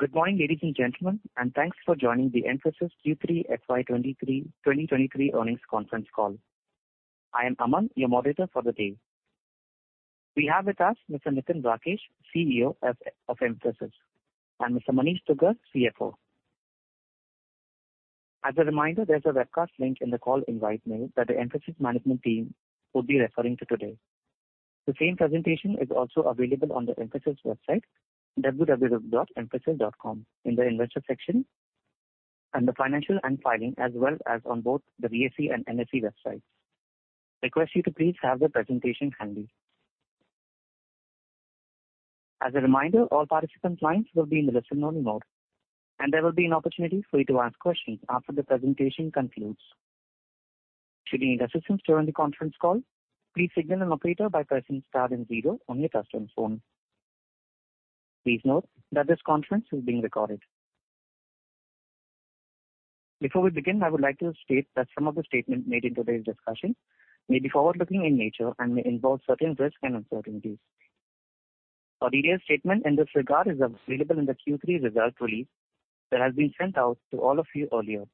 Good morning, ladies and gentlemen, thanks for joining the Mphasis Q3 FY23 2023 earnings conference call. I am Aman, your moderator for the day. We have with us Mr. Nitin Rakesh, CEO of Mphasis, and Mr. Manish Dugar, CFO. As a reminder, there's a webcast link in the call invite mail that the Mphasis management team will be referring to today. The same presentation is also available on the Mphasis website, www.mphasis.com in the Investor section, under Financial and Filing, as well as on both the BSE and NSE websites. Request you to please have the presentation handy. As a reminder, all participant lines will be in listen only mode, there will be an opportunity for you to ask questions after the presentation concludes. Should you need assistance during the conference call, please signal an operator by pressing star then zero on your touchtone phone. Please note that this conference is being recorded. Before we begin, I would like to state that some of the statements made in today's discussion may be forward-looking in nature and may involve certain risks and uncertainties. Our earlier statement in this regard is available in the Q3 results release that has been sent out to all of you earlier.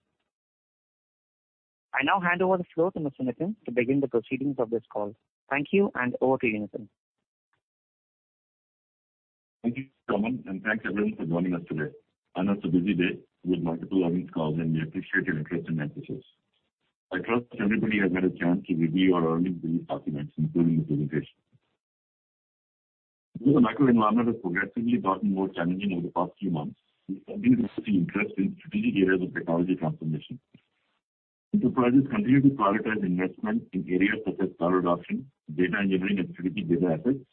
I now hand over the floor to Mr. Nitin to begin the proceedings of this call. Thank you. Over to you, Nitin. Thank you, Aman, and thanks everyone for joining us today. I know it's a busy day with multiple earnings calls. We appreciate your interest in Mphasis. I trust that everybody has had a chance to review our earnings release documents, including the presentation. Though the macro environment has progressively gotten more challenging over the past few months, we continue to see interest in strategic areas of technology transformation. Enterprises continue to prioritize investment in areas such as cloud adoption, data engineering, and strategic data assets,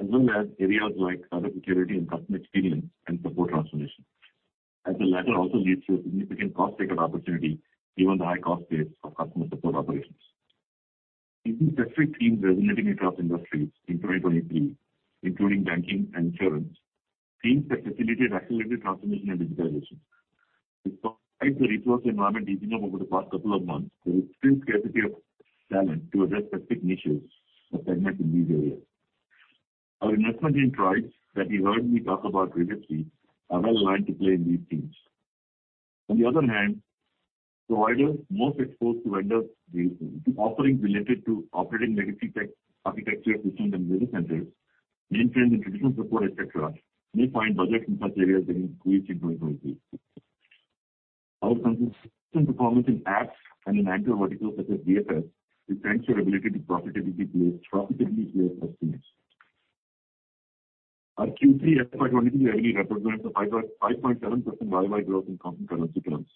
as well as areas like cybersecurity and customer experience and support transformation. As the latter also leads to a significant cost takeout opportunity given the high cost base of customer support operations. We see specific themes resonating across industries in 2023, including banking and insurance. Themes that facilitate accelerated transformation and digitalization. Despite the resource environment easing up over the past couple of months, there is still scarcity of talent to address specific niches or segments in these areas. Our investment in tribes that you heard me talk about previously are well lined to play in these themes. On the other hand, providers most exposed to vendor offerings related to operating legacy tech architecture systems and data centers, mainframe and traditional support, et cetera, may find budgets in such areas being squeezed in 2023. Our consistent performance in apps and in anchor verticals such as BFSI reflects our ability to profitably place our teams. Our Q3 FY2023 revenue represents a 5.7% Y-o-Y growth in constant currency terms.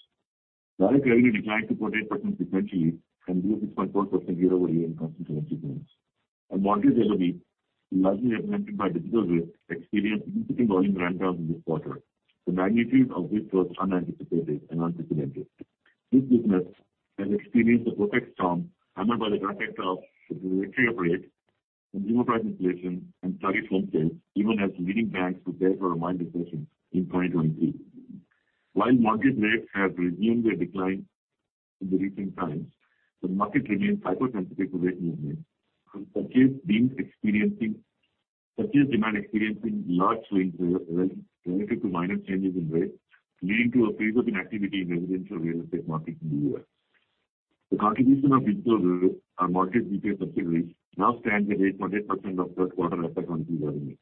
Direct revenue declined 14% sequentially and grew 6.4% year-over-year in constant currency terms. Our mortgage LOB, largely represented by Digital Risk, experienced significant volume ramp downs in this quarter. The magnitude of which was unanticipated and unprecedented. This business has experienced a perfect storm hammered by the dramatic drop in the trajectory of rates and home price inflation and steady home sales even as leading banks prepare for a mild recession in 2023. While mortgage rates have resumed their decline in the recent times, the market remains hypersensitive to rate movements with purchase demand experiencing large swings relative to minor changes in rates, leading to a phase of inactivity in residential real estate market in the U.S. The contribution of Digital Risk, our mortgage detail subsidiary, now stands at 8.8% of third quarter FY2023 revenue.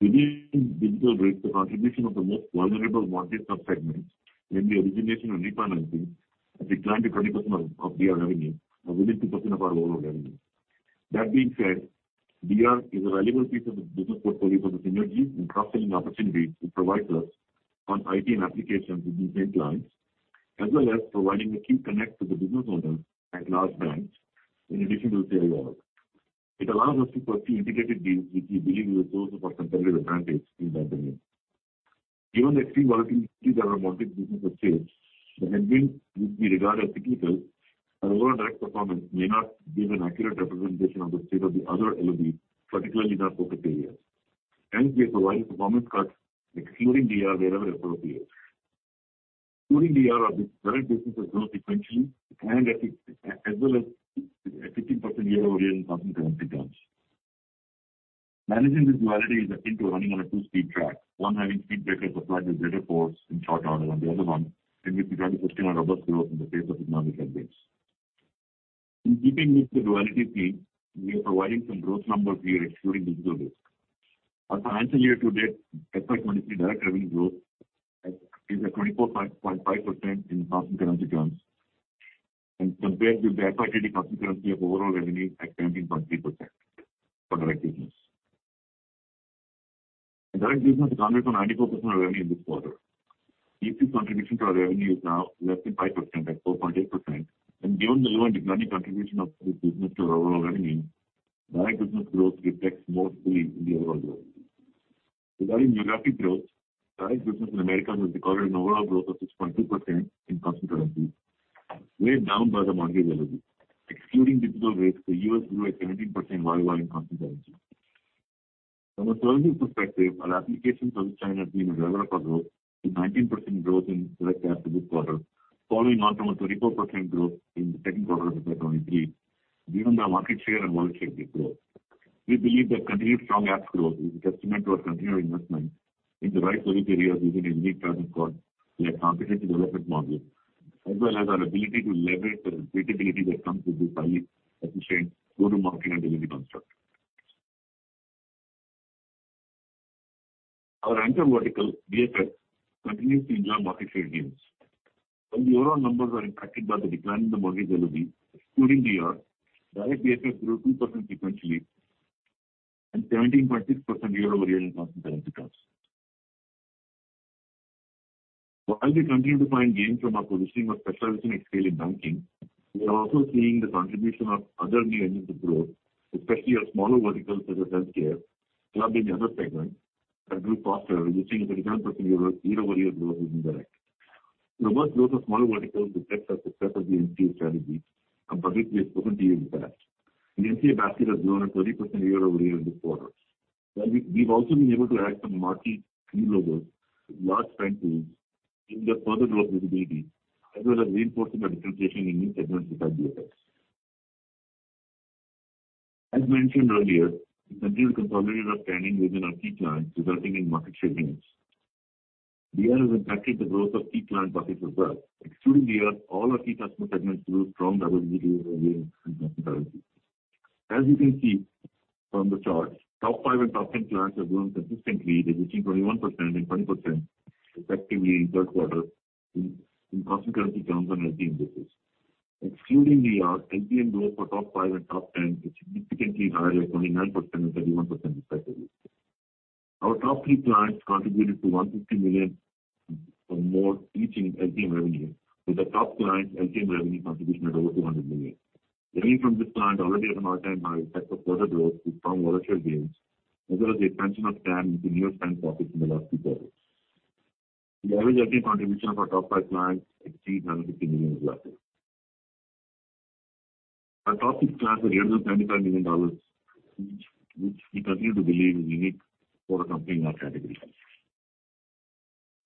Within Digital Risk, the contribution of the most vulnerable mortgage sub-segments, namely origination and refinancing, have declined to 20% of DR revenue or within 2% of our overall revenue. DR is a valuable piece of the business portfolio for the synergies and cross-selling opportunities it provides us on IT and applications with these same clients, as well as providing a key connect to the business owners at large banks in addition to their org. It allows us to pursue integrated deals, which we believe is a source of our competitive advantage in that domain. Given the extreme volatility that our mortgage business has faced, the headwinds, which we regard as cyclical, our overall direct performance may not give an accurate representation of the state of the other LOB, particularly in our focus areas. We are providing performance cards excluding DR wherever appropriate. Excluding DR, our big direct businesses growth sequentially declined at 6%-- as well as a 15% Y-o-Y in constant currency terms. Managing this duality is akin to running on a two-speed track. One having speed breakers applied with greater force in short order, and the other one in which we try to sustain our robust growth in the face of economic headwinds. In keeping with the duality theme, we are providing some growth numbers here excluding Digital Risk. Our financial year to date FY2023 direct revenue growth is at 24.5% in constant currency terms and compared with the FY2022 constant currency of overall revenue at 17.3% for direct business. The direct business accounted for 94% of revenue in this quarter. EPIS contribution to our revenue is now less than 5% at 4.8%. Given the low and declining contribution of this business to our overall revenue, direct business growth reflects more fully in the overall growth. Regarding geographic growth, direct business in America has recorded an overall growth of 6.2% in constant currency, weighed down by the mortgage LOB. Excluding Digital Risk, the U.S. grew at 17% Y-o-Y in constant currency. From a servicing perspective, our applications outside have been a driver for growth with 19% growth in direct apps this quarter, following on from a 34% growth in the second quarter of 2023. Given the market share and market share growth, we believe that continued strong app growth is a testament to our continued investment in the right service areas within a unique product called the competency development model, as well as our ability to leverage the repeatability that comes with the highly efficient go-to-market and delivery model. Our anchor vertical, BFSI, continues to enjoy market share gains. While the overall numbers are impacted by the decline in the mortgage LOB, excluding the year, direct BFSI grew 2% sequentially and 17.6% year-over-year in constant currency terms. While we continue to find gains from our positioning of specialization scale in banking, we are also seeing the contribution of other new engines of growth, especially our smaller verticals such as healthcare, clubbed in the other segment that grew faster, reaching 30% year-over-year growth in direct. The first growth of smaller verticals reflects our success of the NCA strategy our public has spoken to you in the past. The NCA basket has grown at 30% year-over-year in this quarter. While we've also been able to add some marquee new logos, large bank deals giving us further growth visibility as well as reinforcing our differentiation in new segments inside BFSI. As mentioned earlier, we continue to consolidate our standing within our key clients, resulting in market share gains. DR has impacted the growth of key client buckets as well. Excluding DR, all our key customer segments grew strong double-digit year-over-year in constant currency. As you can see from the chart, top five and top 10 clients have grown consistently, reaching 21% and 20% respectively in third quarter in constant currency terms on an LTM basis. Excluding DR, LTM growth for top five and top 10 is significantly higher at 29% and 31% respectively. Our top three clients contributed to $150 million or more each in LTM revenue, with the top client LTM revenue contribution at over $200 million. Winning from this client already at an all-time high sets up further growth with strong market share gains as well as the expansion of TAM into new spend pockets in the last few quarters. The average LTM contribution of our top five clients exceeds $950 million. Our top six clients are $825 million each, which we continue to believe is unique for a company in our category.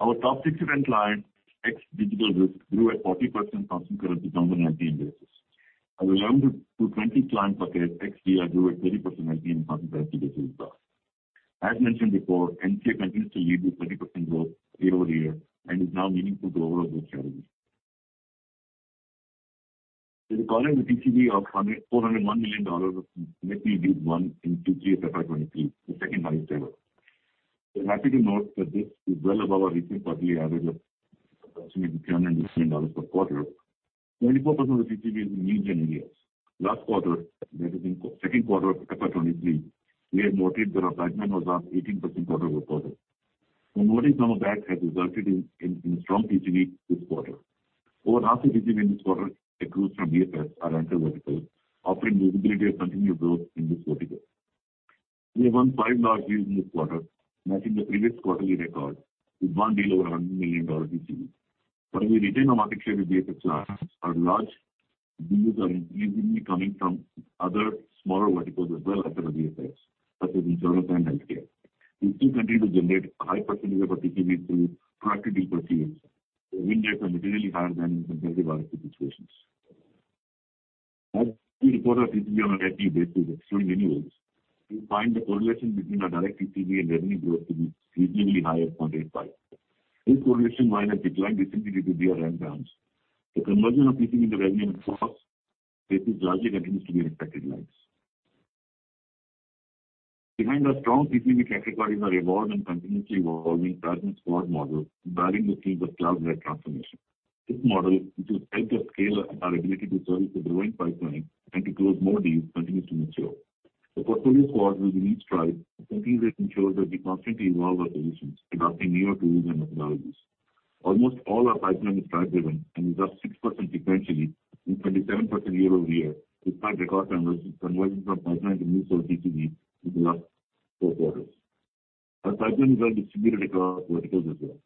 Our top 67 clients, ex-Digital Risk, grew at 40% constant currency down on LTM basis. Our 11-20 clients bucket, ex-DR, grew at 30% LTM constant currency basis as well. As mentioned before, NCA continues to lead with 30% growth year-over-year and is now meaningful to the overall growth strategy. We recorded a TCV of $401 million of committed deals won in Q3 of FY2023, the second highest ever. We're happy to note that this is well above our recent quarterly average of approximately $300 million per quarter. 24% of the TCV is in new gen areas. Last quarter, that is in second quarter of FY2023, we had noted that our pipeline was up 18% quarter-over-quarter. Converting some of that has resulted in strong TCV this quarter. Over half the TCV in this quarter accrues from BFSI, our anchor vertical, offering visibility of continued growth in this vertical. We have won five large deals in this quarter, matching the previous quarterly record with one deal over $100 million TCV. While we retain our market share with BFSI clients, our large deals are increasingly coming from other smaller verticals as well other than BFSI, such as insurance and healthcare, which do continue to generate high % of our TCV through proactive deal pursuit. The win rates are materially higher than in competitive RFP situations. As we report our TCV on an AT basis excluding renewals, we find the correlation between our direct TCV and revenue growth to be reasonably high at 0.85. This correlation might have declined recently due to DR ramp-downs. The conversion of TCV to revenue and gross is largely continues to be in expected lines. Behind our strong TCV categories are evolved and continuously evolving product squad model driving the themes of cloud-led transformation. This model, which will edge up scale our ability to service the growing pipeline and to close more deals, continues to mLTMre. The portfolio squad within each tribe continuously ensures that we constantly evolve our solutions, adopting newer tools and technologies. Almost all our pipeline is tribe-driven and is up 6% sequentially and 27% year-over-year. We find record conversion from pipeline to new source TCV in the last four quarters. Our pipeline is well distributed across verticals as well.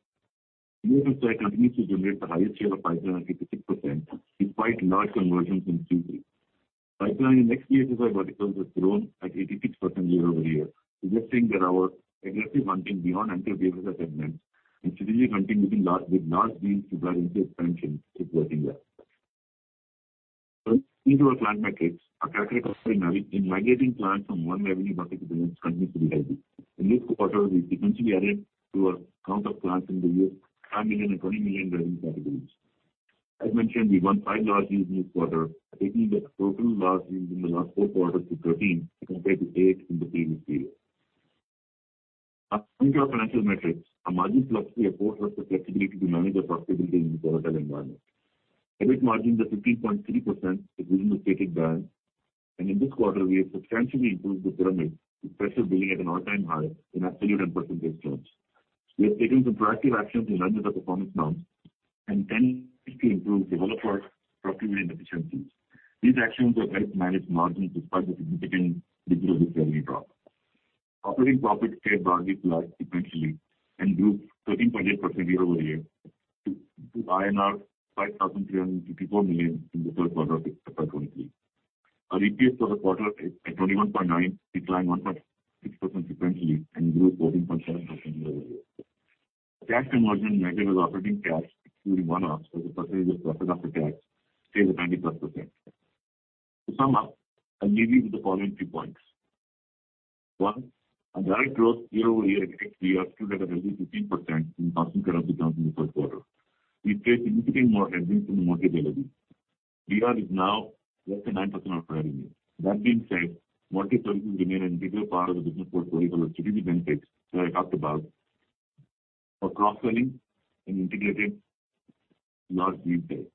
BFSI continues to generate the highest share of pipeline at 56% despite large conversions in Q3. Pipeline in xBSS and BSS verticals has grown at 86% year-over-year, suggesting that our aggressive hunting beyond anchor BFSI segments and strategically hunting with large deals to drive into expansion is working well. In our client metrics, our category of migrating clients from one revenue bucket to the next continues to be healthy. In this quarter, we sequentially added to our count of clients in the US, $10 million and $20 million revenue categories. As mentioned, we won five large deals in this quarter, taking the total large deals in the last four quarters to 13 compared to eight in the previous period. As a function of financial metrics, our margin flexibility affords us the flexibility to manage our profitability in this volatile environment. EBIT margins at 15.3% is within the stated band. In this quarter, we have substantially improved the pyramid with fresh billing at an all-time high in absolute and percentage terms. We have taken some proactive actions to manage the performance now and tend to improve developer procurement efficiencies. These actions have helped manage margins despite the significant Digital Risk revenue drop. Operating profit stayed largely flat sequentially and grew 13.8% year-over-year to INR 5,354 million in the third quarter of FY2023. Our EPS for the quarter is at 21.9, declined 1.6% sequentially and grew 14.7% year-over-year. Tax conversion measured as operating cash, excluding one-offs was a percentage of profit after tax, stayed at 90+%. To sum up, I'll leave you with the following three points. One. Our direct growth year-over-year at ex-DR are still at a healthy 15% in constant currency terms in the first quarter. We've stayed significantly more resilient than the market generally. VR is now less than 9% of revenue. That being said, mortgage services remain an integral part of the business for vertical TCG benefits that I talked about for cross-selling and integrated large deals there.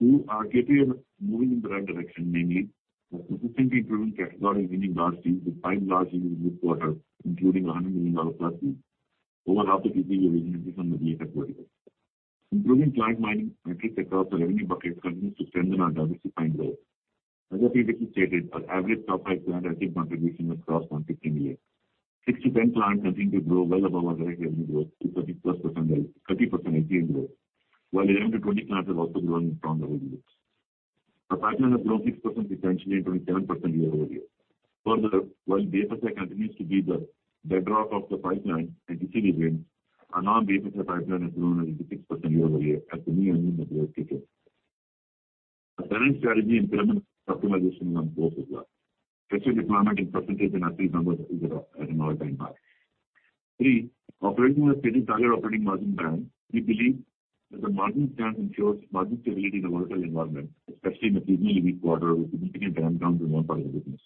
Two. Our KPM is moving in the right direction, mainly by consistently improving category winning large deals with five large deals this quarter, including a $100 million+ deal. Over half the TCV origination is from the BF verticals. Improving client mining metrics across the revenue buckets continues to strengthen our diversifying growth. As I previously stated, our average top five client active contribution has crossed $115 million. 6-10 clients continue to grow well above our direct revenue growth to 30% LTM growth, while 11-20 clients have also grown in strong double digits. Our pipeline has grown 6% sequentially and 27% Y-o-Y. While BFSI continues to be the bedrock of the pipeline and TCV wins, our non-BFSI pipeline has grown at 86% Y-o-Y as the new earnings have rolled through. Our talent strategy implements optimization on both as well. Fixed economic in % and absolute numbers is at an all-time high. Three, operating with a steady target operating margin band, we believe that the margin band ensures margin stability in a volatile environment, especially in a seasonally weak quarter with significant ramp down in one part of the business.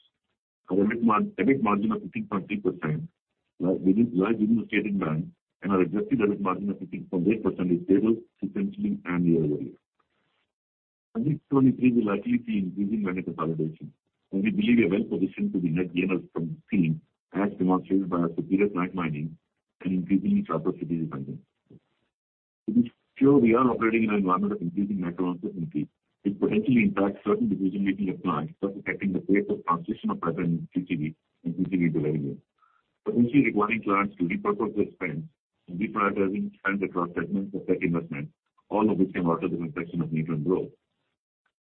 Our EBIT margin of 15.3% lies within the stated band and our adjusted EBIT margin of 15.8% is stable sequentially and year-over-year. FY2023 will likely see increasing M&A consolidation, and we believe we are well-positioned to be net gainers from this theme, as demonstrated by our superior client mining and increasing each other TCV findings. To be sure, we are operating in an environment of increasing macro uncertainty, which potentially impacts certain decision making of clients, thus affecting the pace of transition of revenue to TCV and TCV delivery. Potentially requiring clients to repurpose their spend and reprioritizing spend across segments for tech investment, all of which can alter the complexion of need and growth.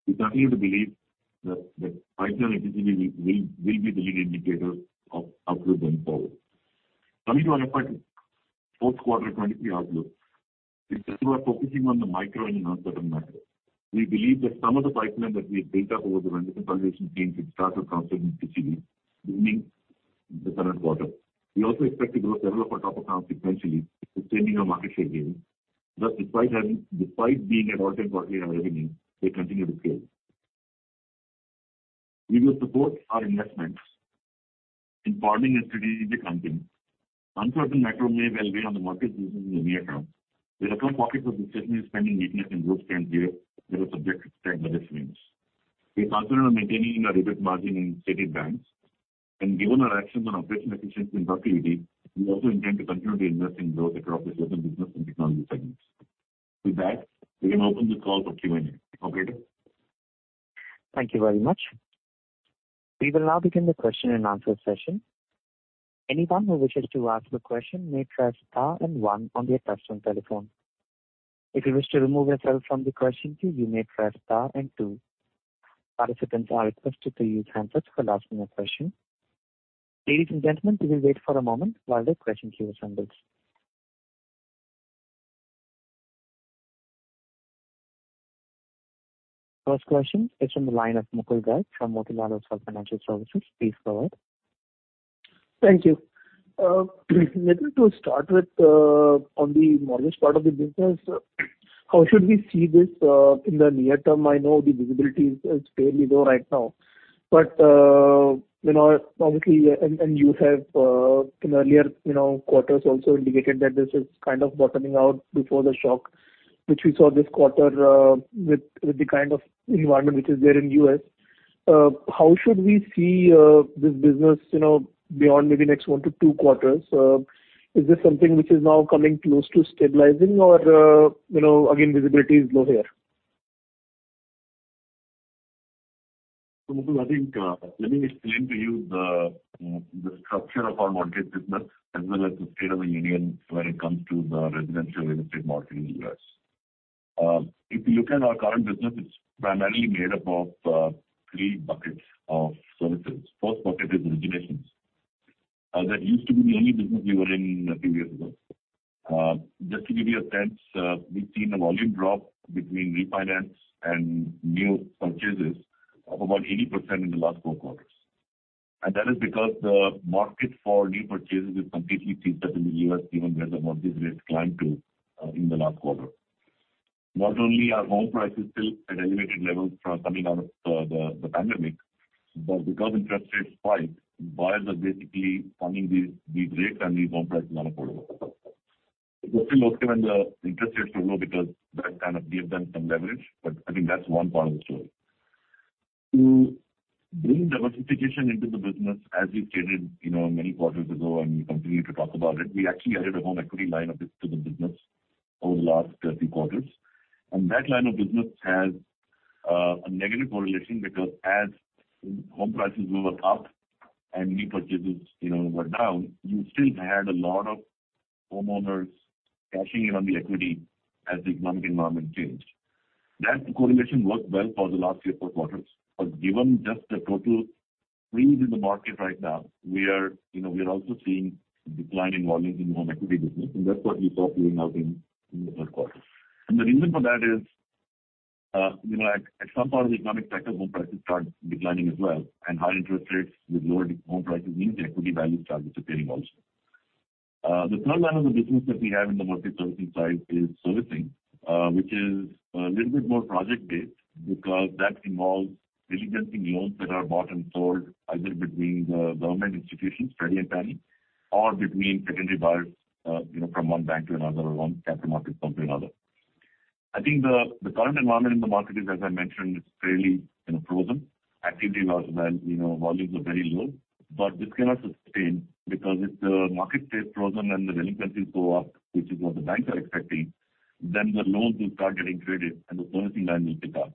We continue to believe that pipeline and TCV will be the leading indicator of outlook going forward. Coming to our FY fourth quarter 2023 outlook. We still are focusing on the micro and not certain macro. We believe that some of the pipeline that we have built up over the M&A consolidation theme will start to transfer into TCV during the current quarter. We also expect to grow developer topic counts sequentially, sustaining our market share gains. Thus despite being at all-time quarterly high revenue, we continue to scale. We will support our investments in broadening and strategic companies. Uncertain macro may weigh on the market sentiment in the near term. The account pockets of the customer spending weakness in growth trends here that are subject to spend by the flames. We're confident on maintaining our EBIT margin in stated bands. Given our actions on operational efficiency and productivity, we also intend to continue to invest in growth across the certain business and technology segments. With that, we can open the call for Q&A. Operator? Thank you very much. We will now begin the question-and-answer session. Anyone who wishes to ask a question may press star one on their touch-tone telephone. If you wish to remove yourself from the question queue, you may press star two. Participants are requested to use handsets for asking a question. Ladies and gentlemen, we will wait for a moment while the question queue assembles. First question is from the line of Mukul Garg from Motilal Oswal Financial Services. Please go ahead. Thank you. Nitin, to start with, on the mortgage part of the business, how should we see this in the near term? I know the visibility is fairly low right now, but, you know, obviously, and you have in earlier, you know, quarters also indicated that this is kind of bottoming out before the shock which we saw this quarter, with the kind of environment which is there in U.S. How should we see this business, you know, beyond maybe next one to two quarters? Is this something which is now coming close to stabilizing or, you know, again, visibility is low here. Mukul I think, let me explain to you the structure of our mortgage business as well as the state of the union when it comes to the residential real estate market in the U.S. If you look at our current business, it's primarily made up of three buckets of services. First bucket is originations. That used to be the only business we were in a few years ago. Just to give you a sense, we've seen a volume drop between refinance and new purchases of about 80% in the last four quarters. That is because the market for new purchases is completely frozen in the U.S., given where the mortgage rates climbed to in the last quarter. Not only are home prices still at elevated levels from coming out of the pandemic, but because interest rates spiked, buyers are basically finding these rates and these home prices not affordable. They're still okay when the interest rates go low because that kind of gives them some leverage, but I think that's one part of the story. To bring diversification into the business, as we've stated, you know, many quarters ago and we continue to talk about it, we actually added a home equity line of business over the last three quarters. And that line of business has a negative correlation because as home prices were up and new purchases, you know, were down, you still had a lot of homeowners cashing in on the equity as the economic environment changed. That correlation worked well for the last three, four quarters. Given just the total freeze in the market right now, we are, you know, we are also seeing decline in volumes in home equity business, and that's what we saw playing out in the third quarter. The reason for that is, you know, at some part of the economic cycle, home prices start declining as well. High interest rates with lower home prices means the equity value starts disappearing also. The third line of the business that we have in the multi-servicing side is servicing, which is a little bit more project-based because that involves diligencing loans that are bought and sold either between the government institutions, Freddie and Fannie, or between secondary buyers, you know, from one bank to another or one capital market company to another. I think the current environment in the market is, as I mentioned, it's fairly, you know, frozen. Activity was well, you know, volumes are very low. This cannot sustain because if the market stays frozen and the delinquencies go up, which is what the banks are expecting, then the loans will start getting traded and the servicing line will pick up.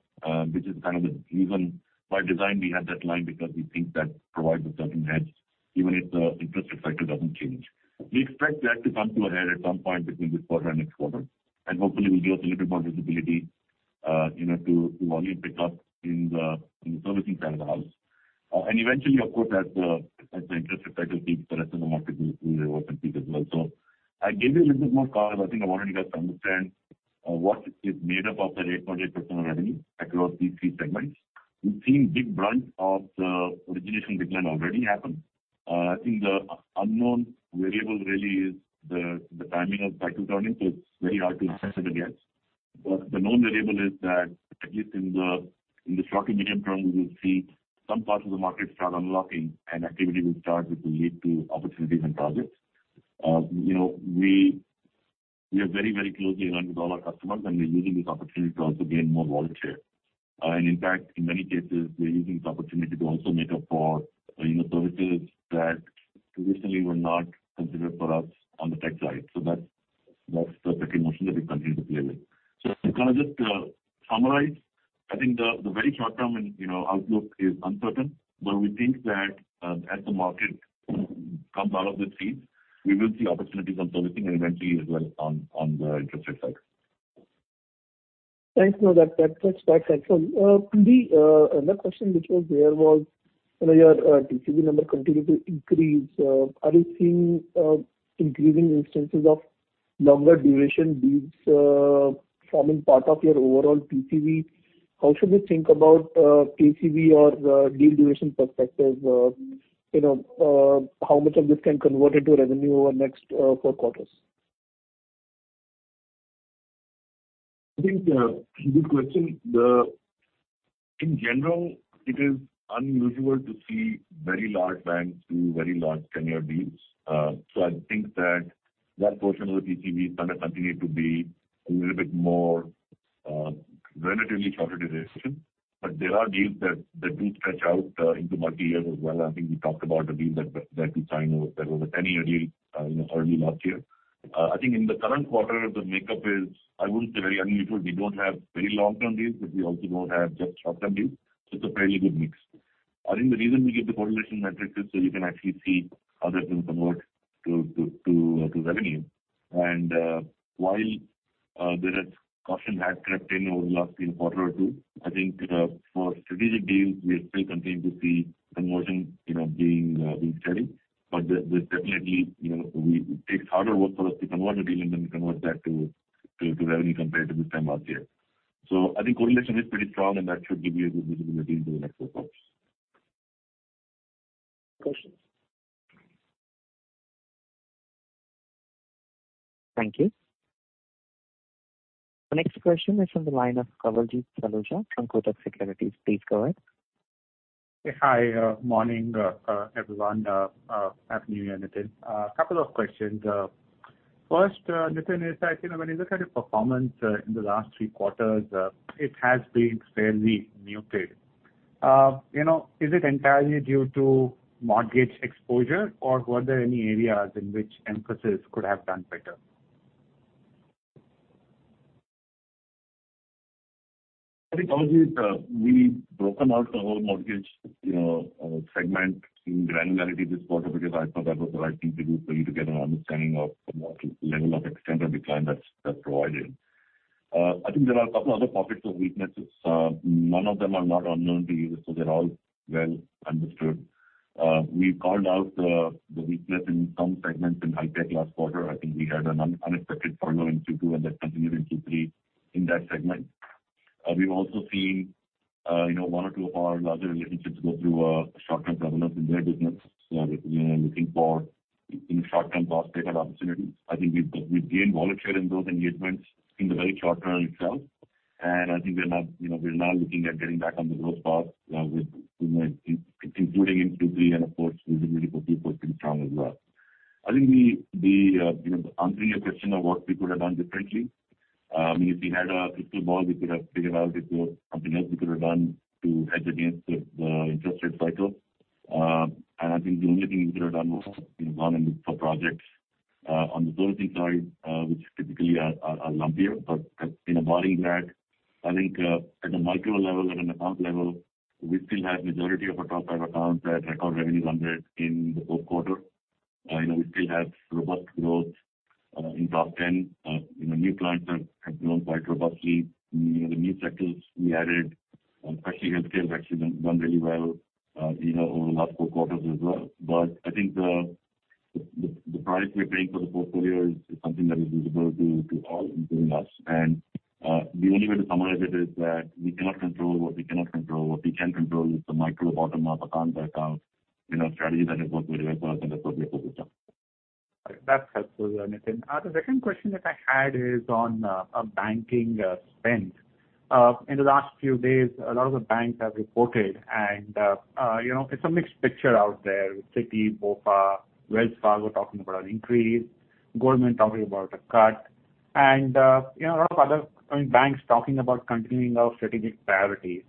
Which is kind of the reason why Digital Risk we had that line because we think that provides a certain hedge even if the interest rate cycle doesn't change. We expect that to come to a head at some point between this quarter and next quarter. Hopefully will give us a little bit more visibility, you know, to volume pick up in the servicing side of the house. Eventually, of course, as the interest rate cycle peaks, the rest of the market will reverse and peak as well. I gave you a little bit more color. I think I wanted you guys to understand what is made up of the 8.8 personal revenue across these three segments. We've seen big brunt of the origination decline already happen. I think the unknown variable really is the timing of cycle turning, so it's very hard to assess it I guess. The known variable is that at least in the short to medium term, we will see some parts of the market start unlocking and activity will start, which will lead to opportunities and projects. you know, we are very, very closely aligned with all our customers, and we're using this opportunity to also gain more volume share. In fact, in many cases, we're using this opportunity to also make up for, you know, services that traditionally were not considered for us on the tech side. That's the second motion that we continue to play with. To kind of just summarize, I think the very short term and, you know, outlook is uncertain. We think that as the market comes out of this freeze, we will see opportunities on servicing and eventually as well on the interest rate side. Thanks. No, that's excellent. Nitin, another question which was there was, you know, your TCV number continued to increase. Are you seeing increasing instances of longer duration deals forming part of your overall TCV? How should we think about TCV or the deal duration perspective? You know, how much of this can convert into revenue over next four quarters? I think, good question. In general, it is unusual to see very large banks do very large tenure deals. I think that that portion of the TCV is going to continue to be a little bit more, relatively shorter duration. There are deals that do stretch out into multi-year as well. I think we talked about a deal that we signed that was a 10-year deal, you know, early last year. I think in the current quarter the makeup is, I wouldn't say very unusual. We don't have very long-term deals, but we also don't have just short-term deals. It's a fairly good mix. I think the reason we give the correlation metrics is so you can actually see how that will convert to revenue. While there is caution has crept in over the last, you know, quarter or two, I think, for strategic deals, we still continue to see conversion, you know, being steady. There, there's definitely, you know, it takes harder work for us to convert a deal and then convert that to, to revenue compared to this time last year. I think correlation is pretty strong, and that should give you a good visibility into the next four quarters. Questions. Thank you. The next question is from the line of Kawaljeet Saluja from Kotak Securities. Please go ahead. Hi. Morning, everyone. Happy New Year, Nitin. A couple of questions. First, Nitin, is that, you know, when you look at your performance in the last 3 quarters, it has been fairly muted. You know, is it entirely due to mortgage exposure, or were there any areas in which Mphasis could have done better? I think, Kawaljeet, we've broken out the whole mortgage, you know, segment in granularity this quarter because I thought that was the right thing to do for you to get an understanding of the level of extent of decline that's provided. I think there are a couple other pockets of weaknesses. None of them are not unknown to you, they're all well understood. We've called out the weakness in some segments in iTech last quarter. I think we had an unexpected furlough in Q2, that continued in Q3 in that segment. We've also seen, you know, one or two of our larger relationships go through short-term turbulence in their business. Looking for, you know, short-term cost takeout opportunities. I think we've gained volume share in those engagements in the very short term itself. I think we're now, you know, we're now looking at getting back on the growth path, with, you know, including in Q3 and of course we'll be looking for Q4 to be strong as well. I think we, you know, answering your question of what we could have done differently, I mean, if we had a crystal ball, we could have figured out if there was something else we could have done to hedge against the interest rate cycle. I think the only thing we could have done was, you know, gone and looked for projects, on the servicing side, which typically are lumpier. In a volume lag, I think, at a micro level, at an account level, we still had majority of our top five accounts that record revenues under it in the fourth quarter. You know, we still have robust growth in top 10. You know, new clients have grown quite robustly. You know, the new sectors we added, especially healthcare, has actually done really well, you know, over the last four quarters as well. I think the price we're paying for the portfolio is something that is visible to all, including us. The only way to summarize it is that we cannot control what we cannot control. What we can control is the micro bottom-up accounts strategy that has worked very well for us, and that's what we are focused on. That's helpful, Nitin. The second question that I had is on a banking spend. In the last few days, a lot of the banks have reported and, you know, it's a mixed picture out there with Citi, Bofa, Wells Fargo talking about an increase, Goldman talking about a cut. You know, a lot of other, I mean, banks talking about continuing our strategic priorities.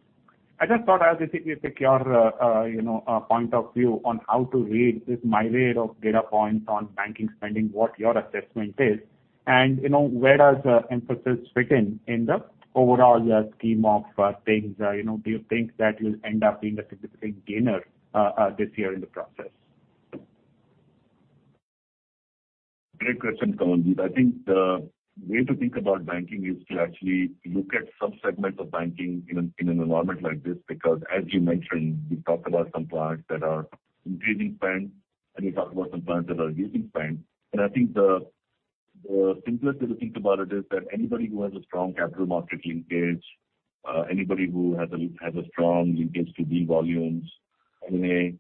I just thought I'd basically pick your, you know, point of view on how to read this myriad of data points on banking spending, what your assessment is, and, you know, where does Mphasis fit in the overall scheme of things? You know, do you think that you'll end up being a significant gainer this year in the process? Great question, Kamaljeet. I think the way to think about banking is to actually look at some segments of banking in an environment like this. As you mentioned, we talked about some clients that are increasing spend, and we talk about some clients that are reducing spend. I think the simplest way to think about it is that anybody who has a strong capital market linkage, anybody who has a strong linkage to BCM volumes, M&A,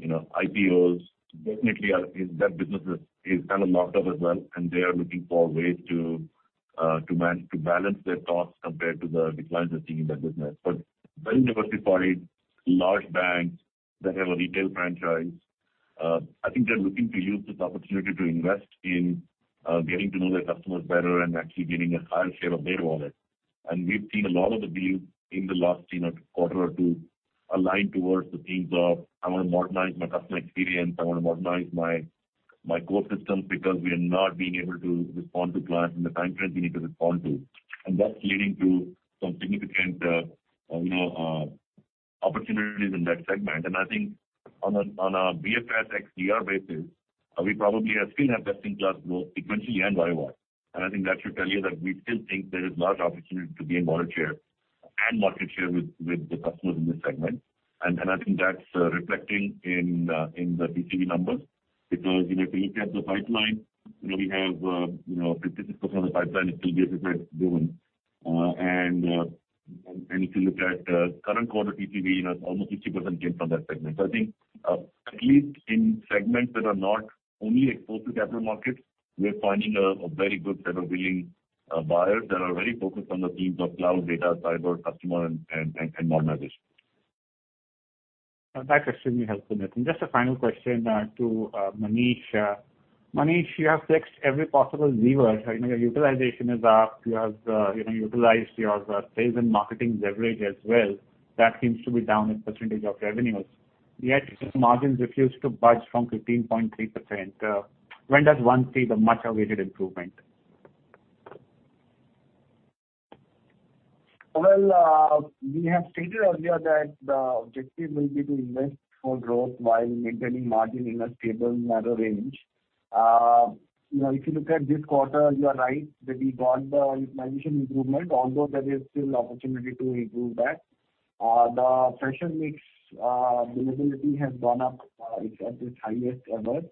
you know, IPOs definitely are. That business is kind of locked up as well, and they are looking for ways to balance their costs compared to the declines they're seeing in that business. very diversified, large banks that have a retail franchise, I think they're looking to use this opportunity to invest in, getting to know their customers better and actually getting a higher share of their wallet. We've seen a lot of the deals in the last, you know, quarter or two align towards the themes of I wanna modernize my customer experience, I wanna modernize my core systems, because we are not being able to respond to clients in the time frames we need to respond to. That's leading to some significant, you know, opportunities in that segment. I think on a, on a BFS Digital Risk basis, we probably, still have best-in-class growth sequentially and Y-o-Y. I think that should tell you that we still think there is large opportunity to gain wallet share and market share with the customers in this segment. I think that's reflecting in the TCV numbers because, you know, if you look at the pipeline, you know, we have, 50% of the pipeline is still business driven. If you look at current quarter TCV, you know, almost 50% came from that segment. I think at least in segments that are not only exposed to capital markets, we're finding a very good set of willing buyers that are very focused on the themes of cloud data, cyber customer and modernization. That's extremely helpful, Nitin. Just a final question, to Manish. Manish, you have fixed every possible lever. You know, your utilization is up. You have, you know, utilized your sales and marketing leverage as well. That seems to be down as % of revenues. Margins refuse to budge from 15.3%. When does one see the much awaited improvement? Well, we have stated earlier that the objective will be to invest for growth while maintaining margin in a stable, narrow range. You know, if you look at this quarter, you are right that we got the utilization improvement, although there is still opportunity to improve that. The fresher mix, availability has gone up. It's at its highest ever,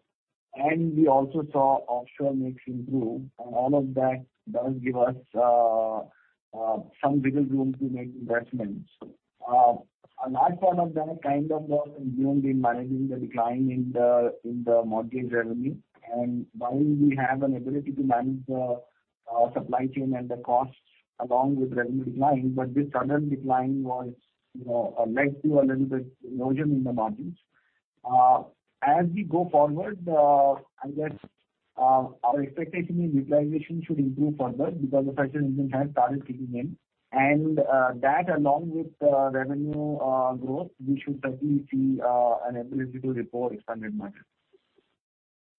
and we also saw offshore mix improve. All of that does give us some wiggle room to make investments. A large part of that kind of was driven in managing the decline in the mortgage revenue. While we have an ability to manage the supply chain and the costs along with revenue decline, but this sudden decline was, you know, led to a little bit erosion in the margins. As we go forward, I guess, our expectation is utilization should improve further because the fresher engine has started kicking in. That along with the revenue growth, we should certainly see an ability to report expanded margins.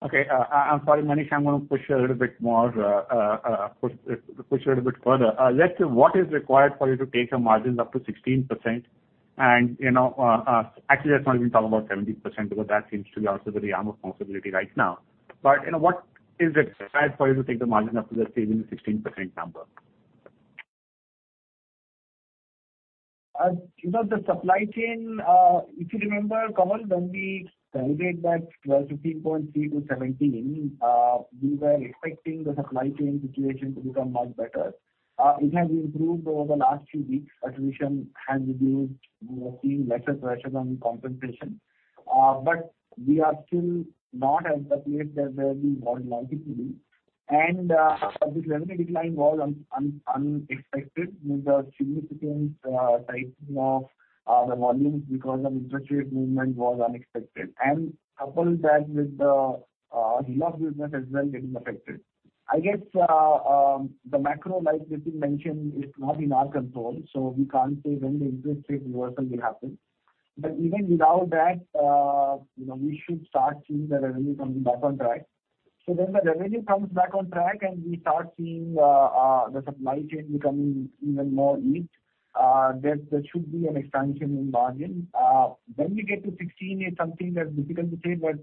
Okay, I'm sorry, Manish, I'm gonna push a little bit more, push a little bit further. Let's say, what is required for you to take your margins up to 16%? You know, actually, let's not even talk about 17% because that seems to be also very out of possibility right now. You know, what is required for you to take the margin up to let's say even 16% number? You know, the supply chain, if you remember, Kamal, when we guided that 12-15.3-17, we were expecting the supply chain situation to become much better. It has improved over the last few weeks. Attrition has reduced. We are seeing lesser pressure on compensation. We are still not at the place that we had been logically. This revenue decline was unexpected with a significant tightening of the volumes because of interest rate movement was unexpected. Couple that with the loss business as well getting affected. I guess, the macro, like Nitin mentioned, is not in our control, so we can't say when the interest rate reversal will happen. Even without that, you know, we should start seeing the revenue coming back on track. The revenue comes back on track and we start seeing the supply chain becoming even more lean, there should be an expansion in margin. When we get to 16 is something that's difficult to say, but,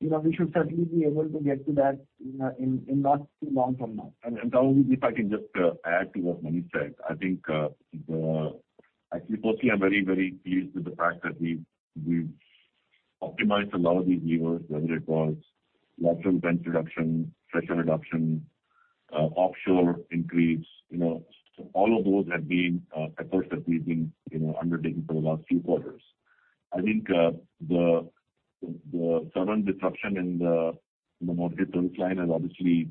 you know, we should certainly be able to get to that, you know, in not too long from now. Kawaljeet, if I can just add to what Manish said. I think, actually, firstly, I'm very, very pleased with the fact that we've optimized a lot of these levers, whether it was lateral bench reduction, fresher reduction, offshore increase. You know, all of those have been efforts that we've been, you know, undertaking for the last few quarters. I think the sudden disruption in the mortgage pipeline has obviously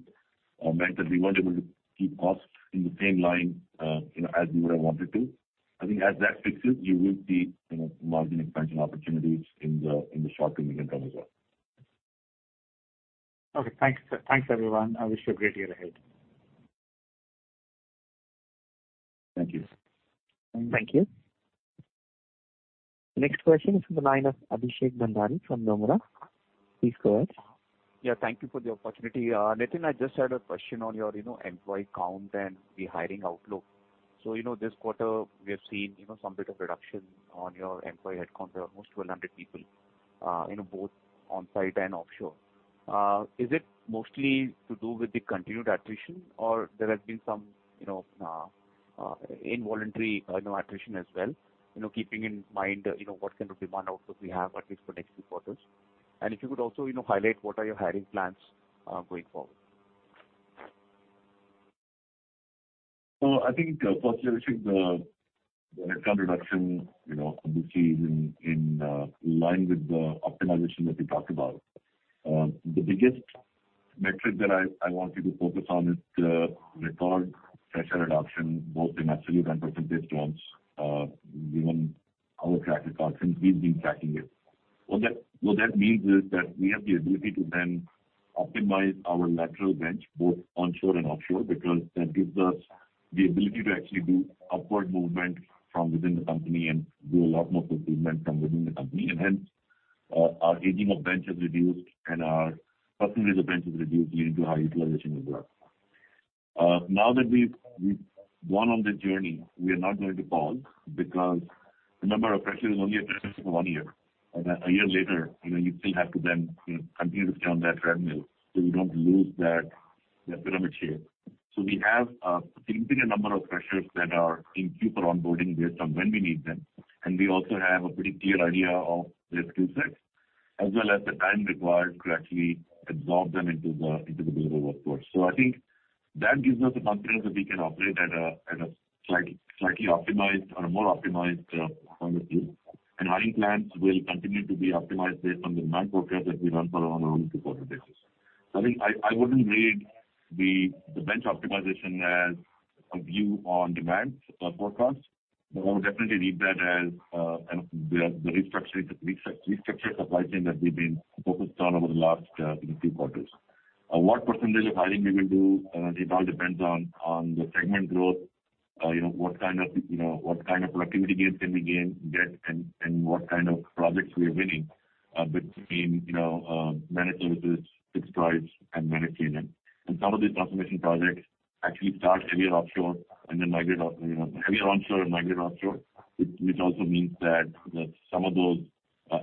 meant that we weren't able to keep costs in the same line, you know, as we would have wanted to. I think as that fixes, you will see, you know, margin expansion opportunities in the short to medium term as well. Okay. Thanks, thanks, everyone. I wish you a great year ahead. Thank you. Thank you. Next question is from the line of Abhishek Bhandari from Nomura. Please go ahead. Yeah, thank you for the opportunity. Nitin, I just had a question on your, you know, employee count and the hiring outlook. This quarter we have seen, you know, some bit of reduction on your employee headcount, almost 1,200 people, you know, both on-site and offshore. Is it mostly to do with the continued attrition or there has been some, you know, involuntary, you know, attrition as well, you know, keeping in mind, you know, what kind of demand outlook we have at least for next few quarters? If you could also, you know, highlight what are your hiring plans going forward. I think firstly, I think the headcount reduction, you know, obviously is in line with the optimization that we talked about. The biggest metric that I want you to focus on is the record fresher reduction both in absolute and percentage terms, given our track record since we've been tracking it. What that means is that we have the ability to then optimize our lateral bench both onshore and offshore, because that gives us the ability to actually do upward movement from within the company and do a lot more procurement from within the company. Hence, our aging of bench has reduced and our percentage of bench has reduced leading to high utilization as well. Now that we've gone on this journey, we are not going to pause because remember our fresher is only a fresher for one year. A year later, you know, you still have to then, you know, continue to be on that treadmill, so you don't lose that pyramid shape. We have a significant number of freshers that are in queue for onboarding based on when we need them. We also have a pretty clear idea of their skill sets as well as the time required to actually absorb them into the, into the deliverable workforce. I think that gives us the confidence that we can operate at a slightly optimized or a more optimized competency. Hiring plans will continue to be optimized based on the demand forecast that we run for on a quarterly basis. I think I wouldn't read the bench optimization as a view on demand forecast. I would definitely read that as, you know, the restructuring supply chain that we've been focused on over the last, you know, few quarters. What % of hiring we will do, it all depends on the segment growth. You know, what kind of, you know, what kind of productivity gains can we get and what kind of projects we are winning, between, you know, managed services, fixed price and managed payment. Some of these transformation projects actually start heavier offshore and then migrate, you know, heavier onshore and migrate offshore. Which also means that some of those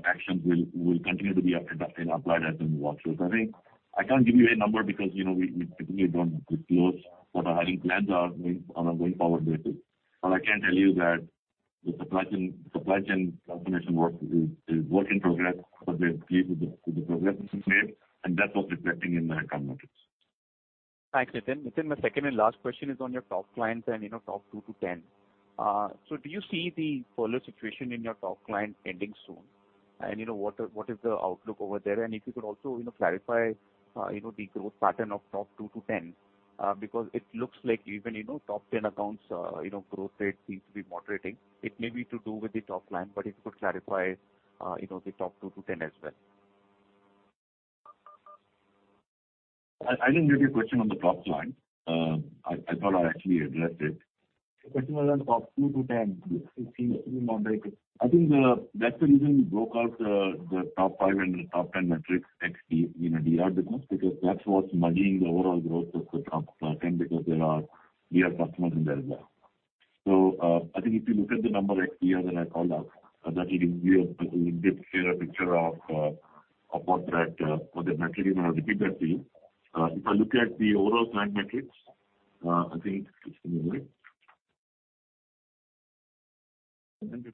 actions will continue to be applied as in the offshore. I think I can't give you a number because, you know, we typically don't disclose what our hiring plans are going on a going forward basis. I can tell you that the supply chain transformation work is work in progress, but we are pleased with the progress that we've made and that's what reflecting in the headcount metrics. Thanks, Nitin. Nitin, my second and last question is on your top clients and, you know, top 2-10. Do you see the polar situation in your top client ending soon? You know, what is the outlook over there? If you could also, you know, clarify, you know, the growth pattern of top 2-10, because it looks like even, you know, top 10 accounts, growth rate seems to be moderating. It may be to do with the top client, if you could clarify, you know, the top 2-10 as well. I didn't get your question on the top client. I thought I actually addressed it. The question was on top 2-10. It seems moderated. I think that's the reason we broke out the top five and top 10 metrics ex-DR, you know, DR business, because that's what's muddying the overall growth of the top 10 because there are DR customers in there as well. I think if you look at the number ex-DR that I called out, that should give you a bit clearer picture of what that, what that metric is. I'll repeat that to you. If I look at the overall client metrics, I think just give me a minute. Okay.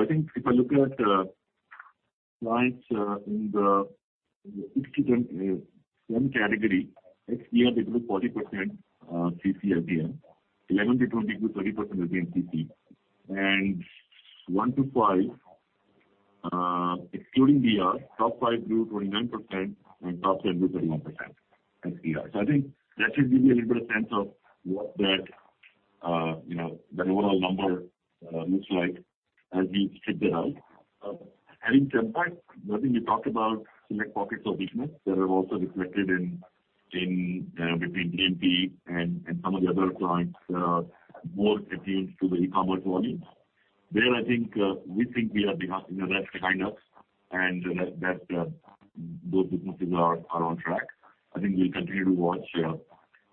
I think if I look at clients in the 6-10 category, ex-DR they grew 40% CC ATM. 11 to 20 grew 30% against CC. 1 to 5, excluding DR, top five grew 29% and top 10 grew 31% ex-DR. I think that should give you a little bit of sense of what that, you know, the overall number looks like as we strip that out. Having said that, I think we talked about select pockets of business that have also reflected in between BNP and some of the other clients, more attuned to the e-commerce volumes. There, I think, we think we are behind, you know, that's behind us and that, those businesses are on track. I think we'll continue to watch, you know,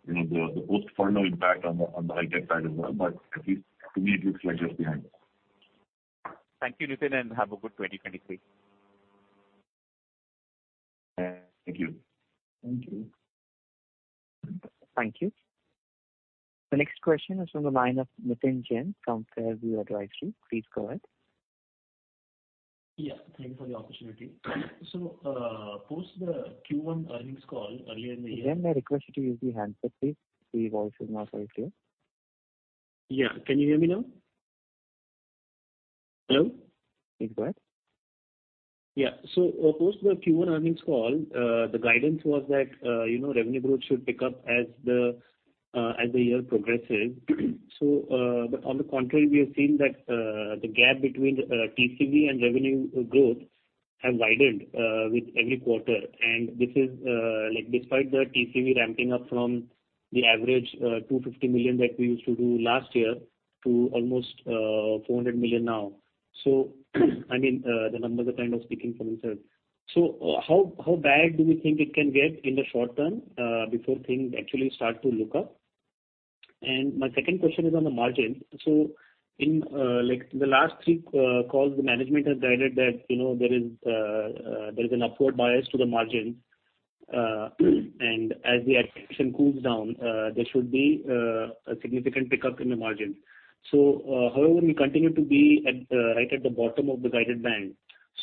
the post-ferno impact on the, on the high-tech side as well. At least to me it looks like just behind us. Thank you, Nitin, and have a good 2023. Thank you. Thank you. Thank you. The next question is from the line of Nitin Jain from FairView Advisory. Please go ahead. Yeah, thank you for the opportunity. Post the Q1 earnings call earlier in the year. Nitin, I request you to use the handset, please, so your voice is more clear. Yeah. Can you hear me now? Hello? Please go ahead. Yeah. Post the Q1 earnings call, the guidance was that, you know, revenue growth should pick up as the year progresses. But on the contrary, we have seen that the gap between TCV and revenue growth have widened with every quarter. This is, like despite the TCV ramping up from the average $250 million that we used to do last year to almost $400 million now. I mean, the numbers are kind of speaking for themselves. How, how bad do we think it can get in the short term, before things actually start to look up? My second question is on the margin. In like the last three calls, the management has guided that, you know, there is an upward bias to the margin. As the acquisition cools down, there should be a significant pickup in the margin. However, we continue to be at right at the bottom of the guided band.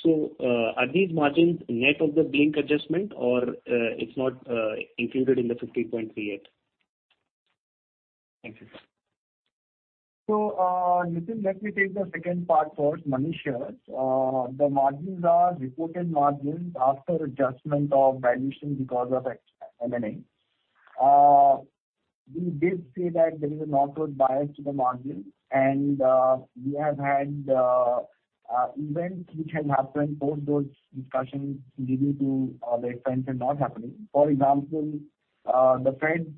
Are these margins net of the Blink adjustment or it's not included in the 50.3% yet? Thank you, sir. Nitin, let me take the second part first. Manish Dugar here. The margins are reported margins after adjustment of valuation because of M&A. We did say that there is an upward bias to the margin, and we have had events which have happened post those discussions leading to the expense and not happening. For example, the Fed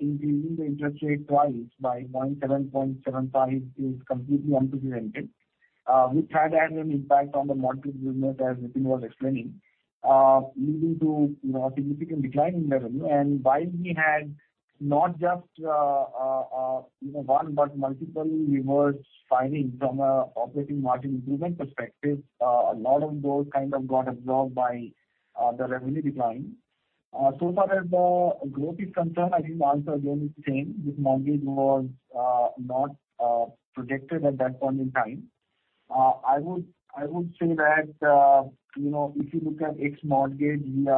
increasing the interest rate twice by 0.75 is completely unprecedented. Which had had an impact on the mortgage business, as Nitin was explaining, leading to, you know, a significant decline in revenue. While we had not just, you know, one but multiple levers signing from a operating margin improvement perspective, a lot of those kind of got absorbed by the revenue decline. So far as the growth is concerned, I think the answer again is the same. This mortgage was not projected at that point in time. I would say that, you know, if you look at ex mortgage, we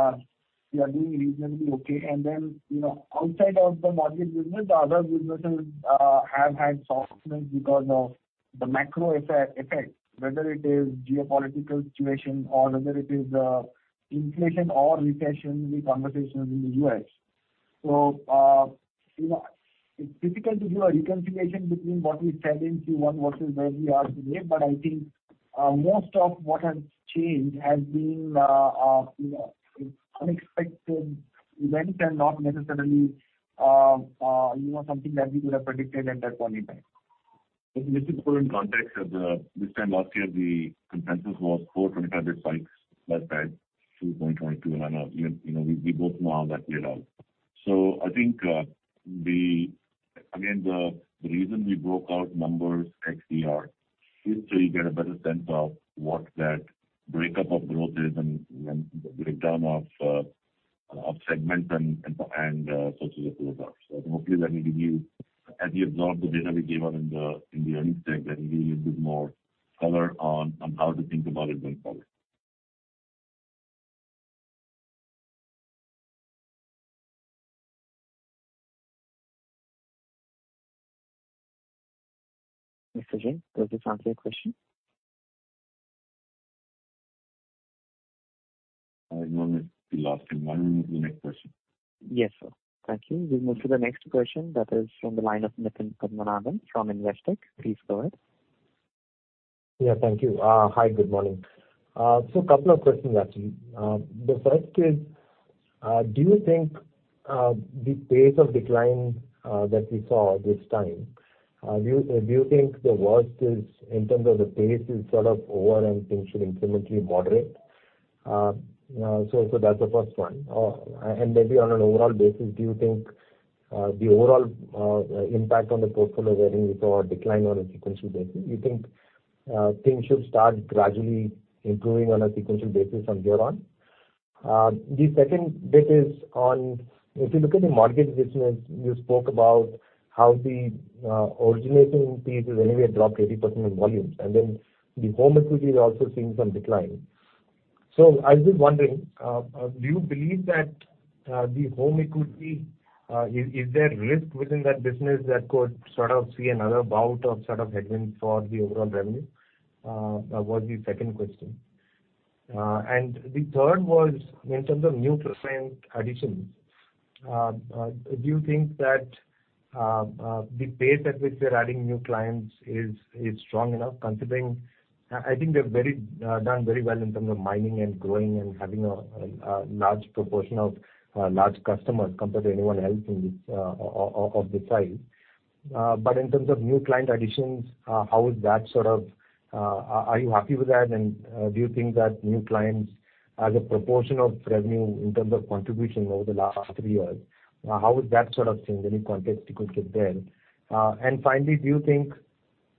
are doing reasonably okay. Then, you know, outside of the mortgage business, the other businesses have had softness because of the macro effect, whether it is geopolitical situation or whether it is inflation or recessionary conversations in the U.S. It's difficult to do a reconciliation between what we said in Q1 versus where we are today. I think most of what has changed has been, you know, unexpected events and not necessarily, you know, something that we could have predicted at that point in time. Just to put in context, this time last year the consensus was 425 basis points by Fed through 2022. Now, you know, you know, we broke through all that year out. I think, Again, the reason we broke out numbers ex DR is you get a better sense of what that breakup of growth is and breakdown of segments and sources of growth are. Hopefully that will give you, as you absorb the data we gave out in the earnings deck, that will give you a bit more color on how to think about it going forward. Mr. Jain, does this answer your question? I don't know if it's the last one. Why don't we move to the next question? Yes, sir. Thank you. We'll move to the next question that is from the line of Nitin Padmanabhan from Investec. Please go ahead. Yeah. Thank you. Hi. Good morning. Couple of questions actually. The first is, do you think the pace of decline that we saw this time, do you think the worst is in terms of the pace is sort of over and things should incrementally moderate? That's the first one. Maybe on an overall basis, do you think the overall impact on the portfolio where we saw a decline on a sequential basis, do you think things should start gradually improving on a sequential basis from here on? The second bit is on if you look at the mortgage business, you spoke about how the originating piece has anyway dropped 80% in volume, and then the home equity is also seeing some decline. I was just wondering, do you believe that the home equity is there risk within that business that could sort of see another bout of sort of headwind for the overall revenue? That was the second question. The third was in terms of new client additions. Do you think that the pace at which they're adding new clients is strong enough considering I think they're done very well in terms of mining and growing and having a large proportion of large customers compared to anyone else of this size. But in terms of new client additions, how is that sort of, are you happy with that? And do you think that new clients as a proportion of revenue in terms of contribution over the last three years, how is that sort of thing? Any context you could give there? Finally, do you think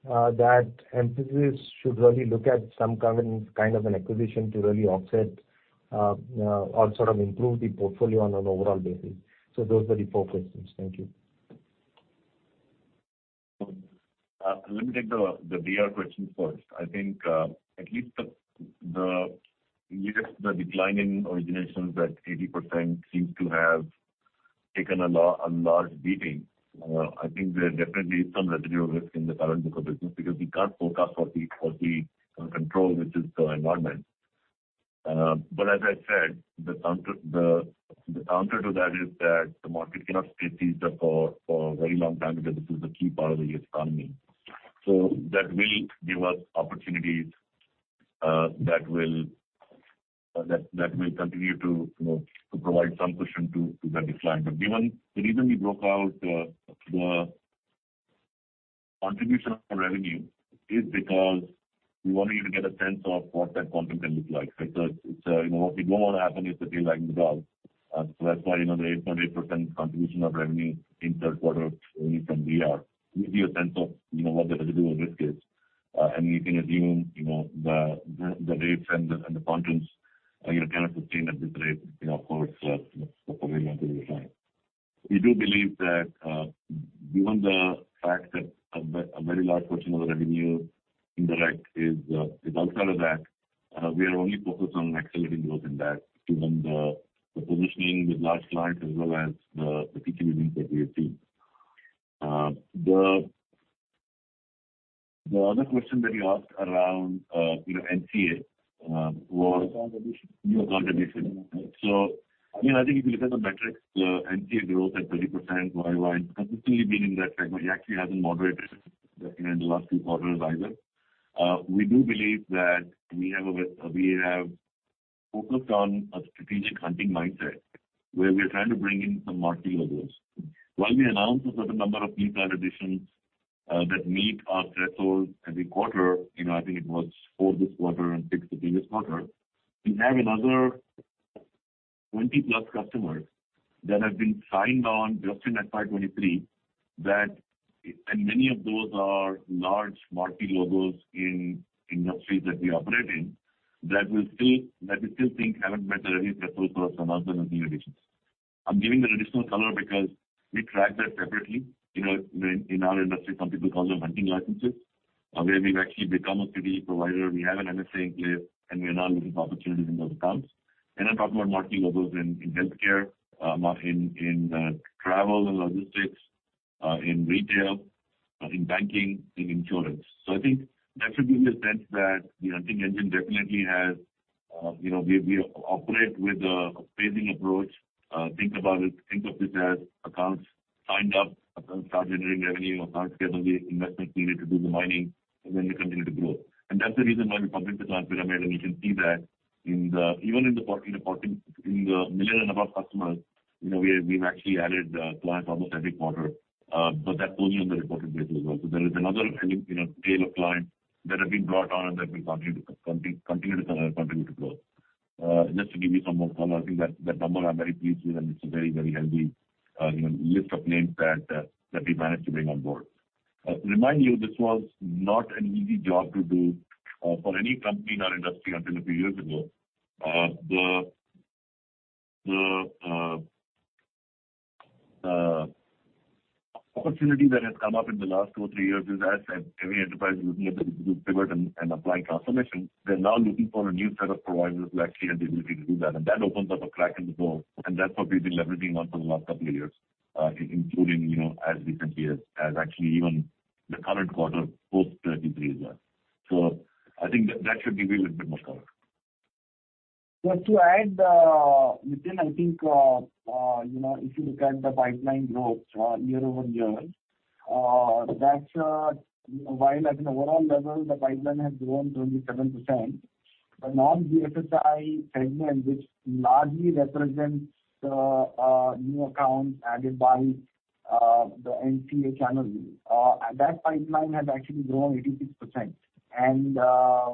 that Mphasis should really look at some kind of an acquisition to really offset or sort of improve the portfolio on an overall basis? Those are the four questions. Thank you. Let me take the DR question first. I think, at least the decline in originations at 80% seems to have taken a large beating. I think there's definitely some residual risk in the current book of business because we can't forecast for the, for the control, which is the environment. As I said, the answer, the answer to that is that the market cannot stay seized up for a very long time because this is a key part of the U.S. economy. That will give us opportunities, that will continue to, you know, to provide some cushion to that decline. Given the reason we broke out, the contribution of revenue is because we wanted you to get a sense of what that content can look like. You know, what we don't want to happen is a day like Naval. That's why, you know, the 8.8% contribution of revenue in third quarter only from DR gives you a sense of, you know, what the residual risk is. You can assume, you know, the rates and the contents, you know, cannot sustain at this rate, you know, for a very long period of time. We do believe that, given the fact that a very large portion of the revenue in direct is outside of that, we are only focused on accelerating growth in that, given the positioning with large clients as well as the key meetings that we have seen. The other question that you asked around, you know, NCA. New account addition. New account addition. You know, I think if you look at the metrics, NCA growth at 30% year-over-year and consistently been in that segment, it actually hasn't moderated in the last few quarters either. We do believe that we have focused on a strategic hunting mindset where we are trying to bring in some multi-logos. While we announce a certain number of new client additions that meet our threshold every quarter, you know, I think it was 4 this quarter and 6 the previous quarter. We have another 20+ customers that have been signed on just in FY2023 that, and many of those are large multi-logos in industries that we operate in that we still think haven't met the revenue threshold for announcement and new additions. I'm giving the additional color because we track that separately. You know, in our industry, some people call them hunting licenses, where we've actually become a PD provider. We have an MSA in place, and we are now looking for opportunities in those accounts. I'm talking about multi-logos in healthcare, in, travel and logistics, in retail, in banking, in insurance. I think that should give you a sense that, you know, I think Engine definitely has, you know, we operate with a phasing approach. Think about it. Think of this as accounts signed up, accounts start generating revenue, accounts get on the investment period to do the mining, and then they continue to grow. That's the reason why we published accounts pyramid. You can see that in the, even in the 14, in the million and above customers, you know, we've actually added clients almost every quarter. That's only on the reported basis as well. There is another, you know, tail of clients that have been brought on and that will continue to continue to contribute to growth. Just to give you some more color, I think that number I'm very pleased with, and it's a very, very healthy, you know, list of names that we managed to bring on board. Remind you, this was not an easy job to do for any company in our industry until a few years ago. The opportunity that has come up in the last two or three years is, as said, every enterprise is looking at the group pivot and apply transformation. They're now looking for a new set of providers who actually have the ability to do that. That opens up a crack in the door, and that's what we've been leveraging on for the last couple of years, including, you know, as recently as actually even the current quarter post Q3 as well. I think that should give you a little bit more color. Just to add, within, I think, you know, if you look at the pipeline growth, Y-o-Y, that's, while at an overall level, the pipeline has grown 27%. The non-BFSI segment, which largely represents, new accounts added by the NCA channel, that pipeline has actually grown 86%.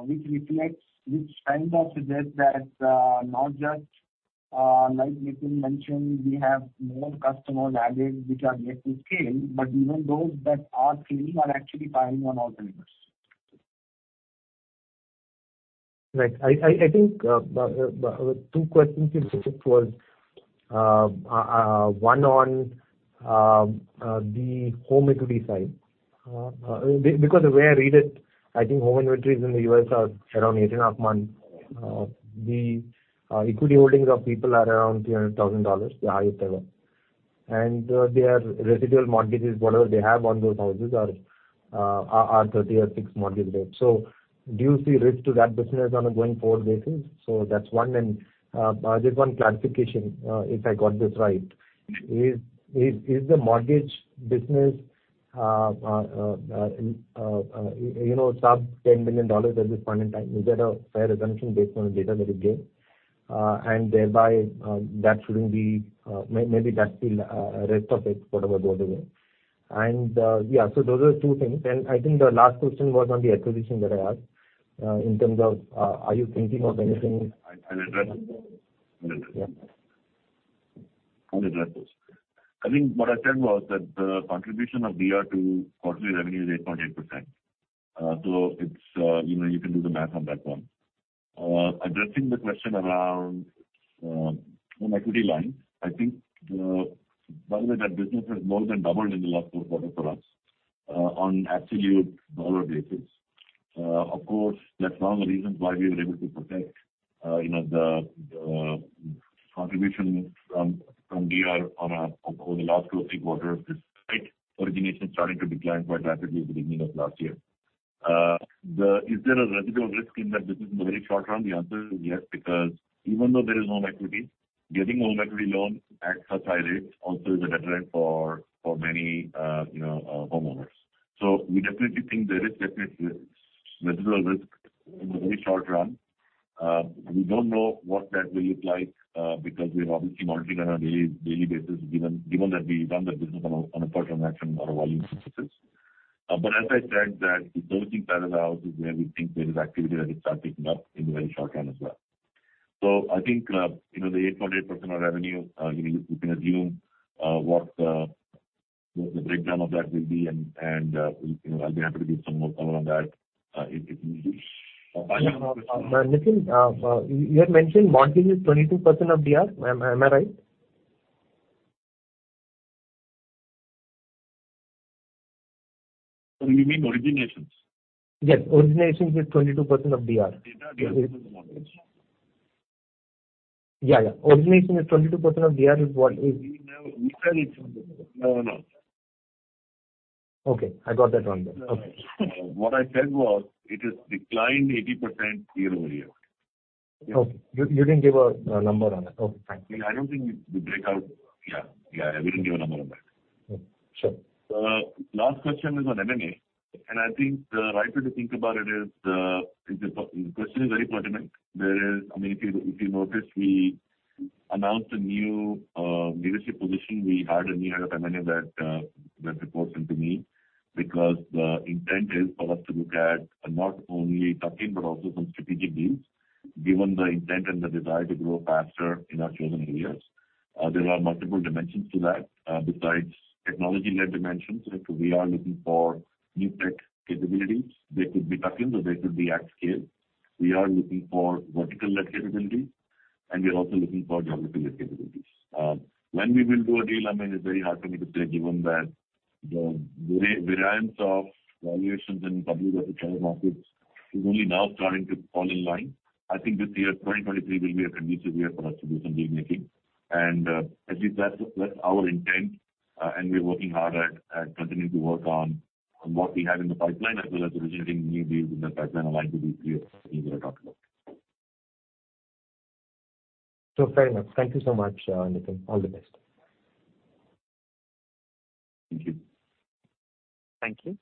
Which reflects, which kind of suggests that not just like Nitin mentioned, we have more customers added which are yet to scale, but even those that are scaling are actually buying on all three years. Right. I think two questions you took was one on the home equity side. Because the way I read it, I think home inventories in the U.S. are around 18.5 Months. The equity holdings of people are around $300,000, the highest ever. Their residual mortgages, whatever they have on those houses are 30 or six mortgage rates. Do you see risk to that business on a going-forward basis? That's one. Just one clarification, if I got this right. Is the mortgage business, you know, sub $10 billion at this point in time? Is that a fair assumption based on the data that you gave? Thereby, that shouldn't be, maybe that's the rest of it, whatever goes away. Yeah, so those are two things. I think the last question was on the acquisition that I asked, in terms of, are you thinking of anything- I'll address it. Yeah. I'll address those. I think what I said was that the contribution of DR to quarterly revenue is 8.8%. It's, you know, you can do the math on that one. Addressing the question around home equity line. I think by the way, that business has more than doubled in the last four quarters for us, on absolute dollar basis. That's one of the reasons why we were able to protect, you know, the contribution from DR over the last two or three quarters, despite origination starting to decline quite rapidly at the beginning of last year. Is there a residual risk in that business in the very short run? The answer is yes, because even though there is home equity, getting home equity loan at such high rates also is a deterrent for many, you know, homeowners. We definitely think there is definitely residual risk in the very short run. We don't know what that will look like, because we're obviously monitoring on a daily basis, given that we run the business on a per transaction or a volume basis. As I said that those things that allows is where we think there is activity that will start picking up in the very short term as well. I think, you know, the 8.8% of revenue, you know, you can assume, what the breakdown of that will be and, you know, I'll be happy to give some more color on that, if you need to. Yeah. Final question. Nitin, you had mentioned mortgage is 22% of DR. Am I right? You mean originations? Yes. Originations is 22% of DR. Data DR is mortgage. Yeah, yeah. Origination is 22% of DR. We never... We said No, no. Okay. I got that wrong then. Okay. What I said was it has declined 80% Y-o-Y. Okay. You didn't give a number on it. Okay. Thank you. I don't think we break out. Yeah. We didn't give a number on that. Sure. Last question is on M&A. I think the right way to think about it is the question is very pertinent. I mean, if you notice, we announced a new leadership position. We hired a new head of M&A that reports into me because the intent is for us to look at not only tuck-in but also some strategic deals. Given the intent and the desire to grow faster in our chosen areas, there are multiple dimensions to that besides technology-led dimensions. We are looking for new tech capabilities. They could be tuck-ins or they could be at scale. We are looking for vertical-led capabilities. We are also looking for geography-led capabilities. When we will do a deal? I mean, it's very hard for me to say given that the variance of valuations in public versus private markets is only now starting to fall in line. I think this year, 2023, will be a conducive year for us to do some deal making. At least that's our intent. We're working hard at continuing to work on what we have in the pipeline as well as originating new deals in the pipeline aligned to the three areas we were talking about. Fair enough. Thank you so much, Nitin. All the best. Thank you. Thank you.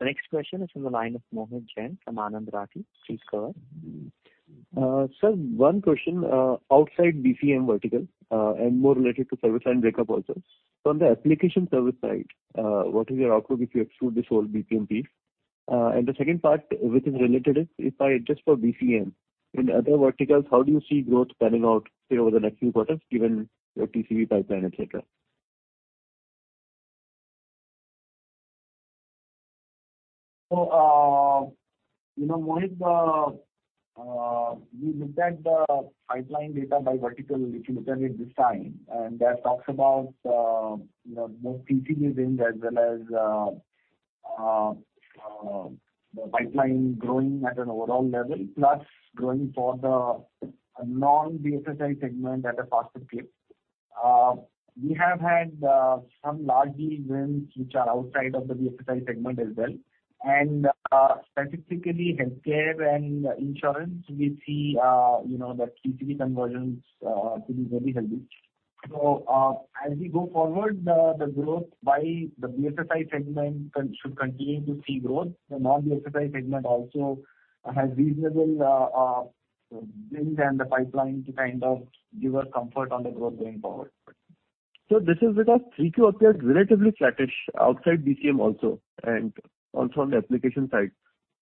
The next question is from the line of Mohit Jain from Anand Rathi. Please go ahead. Sir, one question. Outside BCM vertical, and more related to service line breakup also, on the application service side, what is your outlook if you exclude this whole BCM piece? The second part which is related is if I adjust for BCM, in other verticals, how do you see growth panning out, say, over the next few quarters given your TCV pipeline, et cetera? You know, Mohit Jain, we looked at the pipeline data by vertical if you look at it this time, that talks about, you know, both TCV wins as well as the pipeline growing at an overall level, plus growing for the non-BFSI segment at a faster clip. We have had some large deals wins which are outside of the non-BFSI segment as well. Specifically healthcare and insurance, we see, you know, the TCV conversions to be very healthy. As we go forward, the growth by the non-BFSI segment should continue to see growth. The non-BFSI segment also has reasonable wins and the pipeline to kind of give us comfort on the growth going forward. This is because 3Q appears relatively flattish outside BCM also and also on the application side.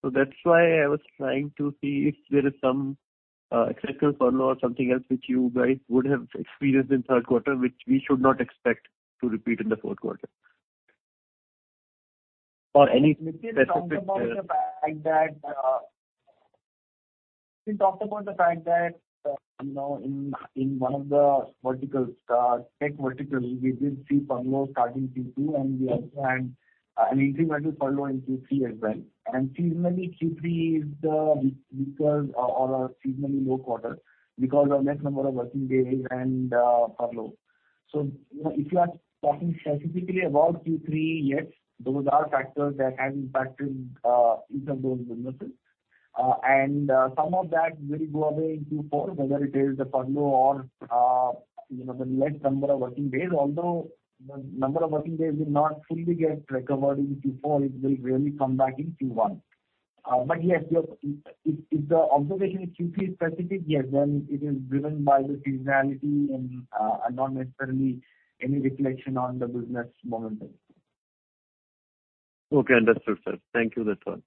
That's why I was trying to see if there is some cyclical furlough or something else which you guys would have experienced in third quarter which we should not expect to repeat in the fourth quarter. Any specific. Nitin talked about the fact that, you know, in one of the verticals, tech verticals, we did see furlough starting Q2 and we also had an incremental furlough in Q3 as well. Seasonally, Q3 is the weaker or a seasonally low quarter because of less number of working days and furlough. You know, if you are talking specifically about Q3, yes, those are factors that have impacted each of those businesses. Some of that will go away in Q4, whether it is the furlough or, you know, the less number of working days. Although the number of working days will not fully get recovered in Q4, it will really come back in Q1. Yes, if the observation is Q3 specific, yes, then it is driven by the seasonality and not necessarily any reflection on the business momentum. Okay. Understood, sir. Thank you. That's all.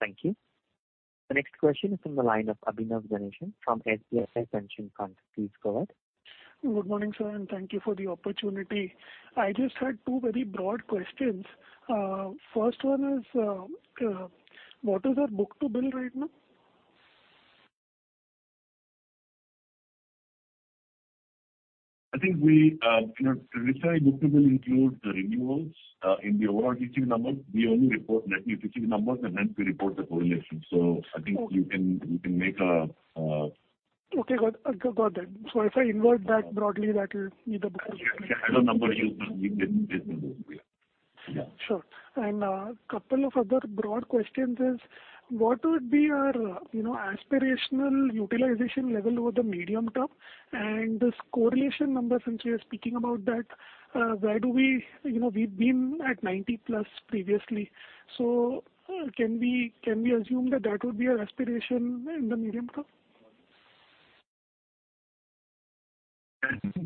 Thank you. The next question is from the line of Abhinav Ganeshan from SBI Pension Funds. Please go ahead. Good morning, sir, and thank you for the opportunity. I just had two very broad questions. First one is, what is our book-to-bill right now? I think we, you know, traditionally, book-to-bill includes the renewals in the overall TCV number. We only report net new TCV numbers, and then we report the correlation. I think. Okay. you can make a Okay. Got that. If I invert that broadly, that is either book or bill. Yeah. As a number user, we didn't do it. Yeah. Sure. Couple of other broad questions is what would be your, you know, aspirational utilization level over the medium term? This correlation number, since you're speaking about that, You know, we've been at 90+ previously. Can we assume that that would be our aspiration in the medium term? I think,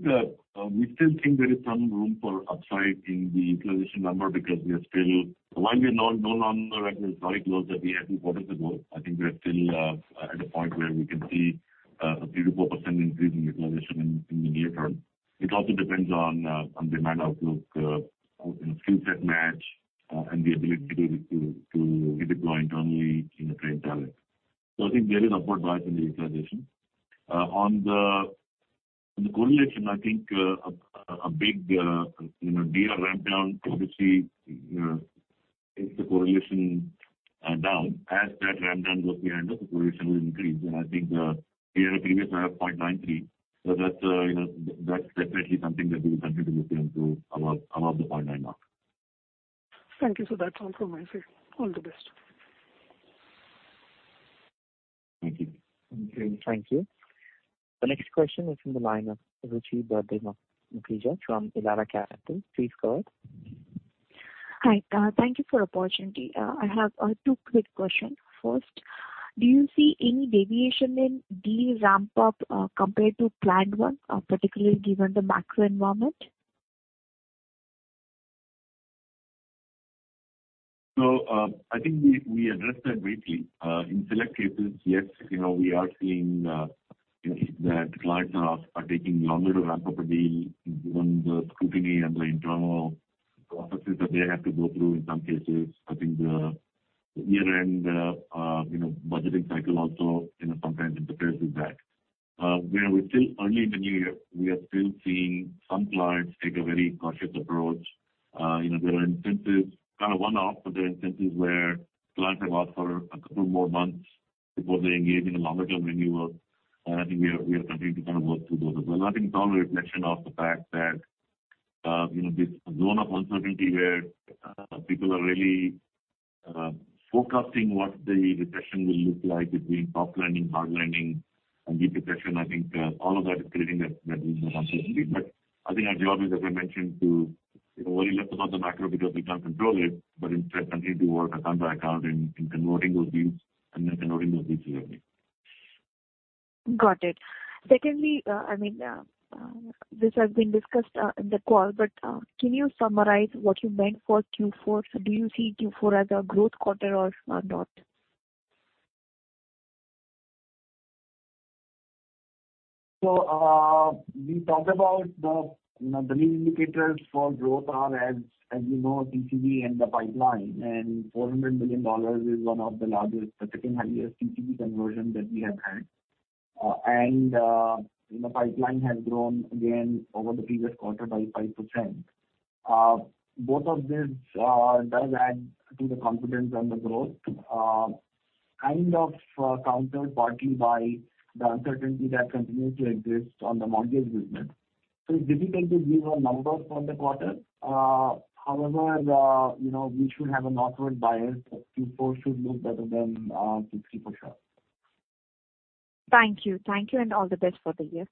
we still think there is some room for upside in the utilization number because we are no longer at the very lows that we had two quarters ago, I think we are still at a point where we can see a 3%-4% increase in utilization in the near term. It also depends on demand outlook, you know, skill set match, and the ability to redeploy internally in a trade talent. I think there is upward bias in the utilization. On the correlation, I think, a big, you know, deal ramp down obviously, you know, takes the correlation down. As that ramp down goes behind us, the correlation will increase. I think, we had a previous ramp of 0.93. That's, you know, that's definitely something that we will continue to look into above the 0.9 mark. Thank you, sir. That's all from my side. All the best. Thank you. Great. Thank you. The next question is from the line of Ruchi Bhardwaj from Elara Capital. Please go ahead. Hi. Thank you for the opportunity. I have two quick questions. First, do you see any deviation in deal ramp up compared to planned ones, particularly given the macro environment? I think we addressed that briefly. In select cases, yes, you know, we are seeing, you know, that clients are taking longer to ramp up a deal given the scrutiny and the internal processes that they have to go through in some cases. I think the year-end, you know, budgeting cycle also, you know, sometimes interferes with that. Where we're still early in the new year, we are still seeing some clients take a very cautious approach. You know, there are instances, kind of one-off, but there are instances where clients have asked for a couple more months before they engage in a longer-term renewal. I think we are continuing to kind of work through those as well. I think it's all a reflection of the fact that, you know, this zone of uncertainty where people are really forecasting what the recession will look like between soft landing, hard landing and deep recession. I think all of that is creating that regional uncertainty. I think our job is, as I mentioned, to, you know, worry less about the macro because we can't control it, but instead continue to work account by account in converting those deals and then converting those deals early. Got it. Secondly, I mean, this has been discussed in the call, but can you summarize what you meant for Q4? Do you see Q4 as a growth quarter or not? We talked about the, you know, the lead indicators for growth are, as you know, TCV and the pipeline, and $400 million is one of the largest, the second-highest TCV conversion that we have had. Pipeline has grown again over the previous quarter by 5%. Both of this does add to the confidence on the growth, kind of, countered partly by the uncertainty that continues to exist on the modules business. It's difficult to give a number for the quarter. However, you know, we should have an upward bias that Q4 should look better than Q3 for sure. Thank you. Thank you, and all the best for the year.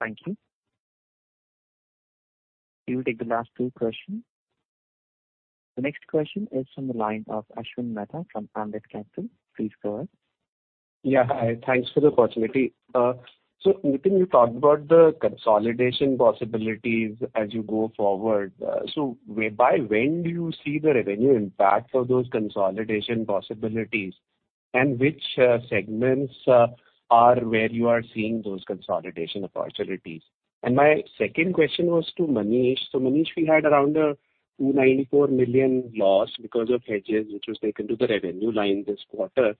Thank you. We will take the last two questions. The next question is from the line of Ashwin Mehta from Ambit Capital. Please go ahead. Yeah. Hi. Thanks for the opportunity. Nitin, you talked about the consolidation possibilities as you go forward. Whereby when do you see the revenue impact of those consolidation possibilities, and which segments are where you are seeing those consolidation opportunities? My second question was to Manish. Manish, we had around a $294 million loss because of hedges, which was taken to the revenue line this quarter.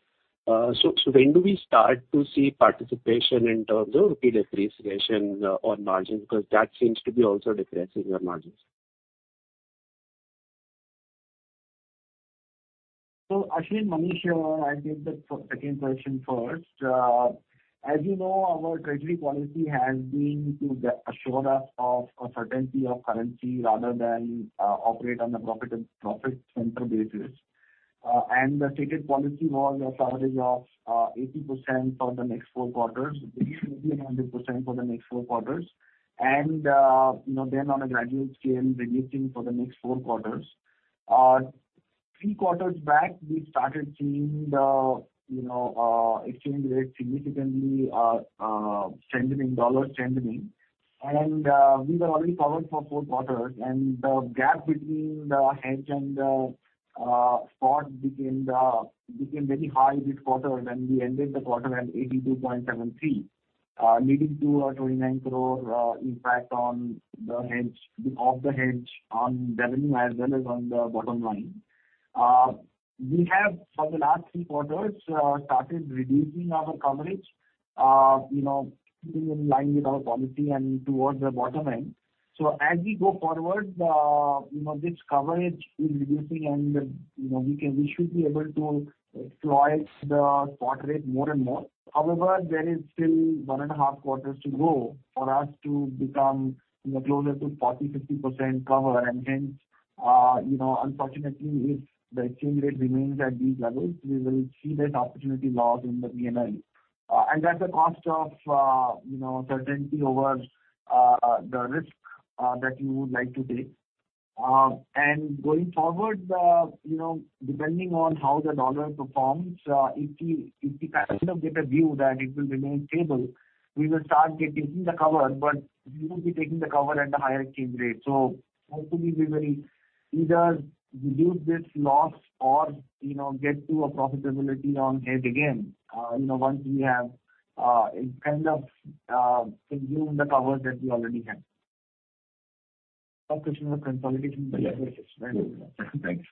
When do we start to see participation in terms of rupee depreciation on margins? Because that seems to be also depressing your margins. Actually, Manish, here I'll take the second question first. As you know, our treasury policy has been to get assurance of a certainty of currency rather than operate on a profit and profit center basis. The stated policy was a coverage of 80% for the next four quarters. This will be 100% for the next four quarters. You know, then on a gradual scale, reducing for the next four quarters. Three quarters back, we started seeing the, you know, exchange rate significantly strengthening, dollar strengthening. We were already covered for four quarters. The gap between the hedge and the spot became very high this quarter when we ended the quarter at 82.73. Leading to a 29 crore impact on the hedge, of the hedge on revenue as well as on the bottom line. We have for the last three quarters started reducing our coverage, you know, keeping in line with our policy and towards the bottom end. As we go forward, you know, this coverage is reducing and, you know, we can, we should be able to exploit the spot rate more and more. However, there is still one and a half quarters to go for us to become, you know, closer to 40%, 50% cover. Hence, you know, unfortunately, if the exchange rate remains at these levels, we will see this opportunity loss in the P&L. That's the cost of, you know, certainty over the risk that you would like to take. Going forward, you know, depending on how the dollar performs, if we kind of get a view that it will remain stable, we will start taking the cover, but we will be taking the cover at a higher exchange rate. Hopefully we will either reduce this loss or, you know, get to a profitability on hedge again, you know, once we have kind of consumed the cover that we already have. Thanks.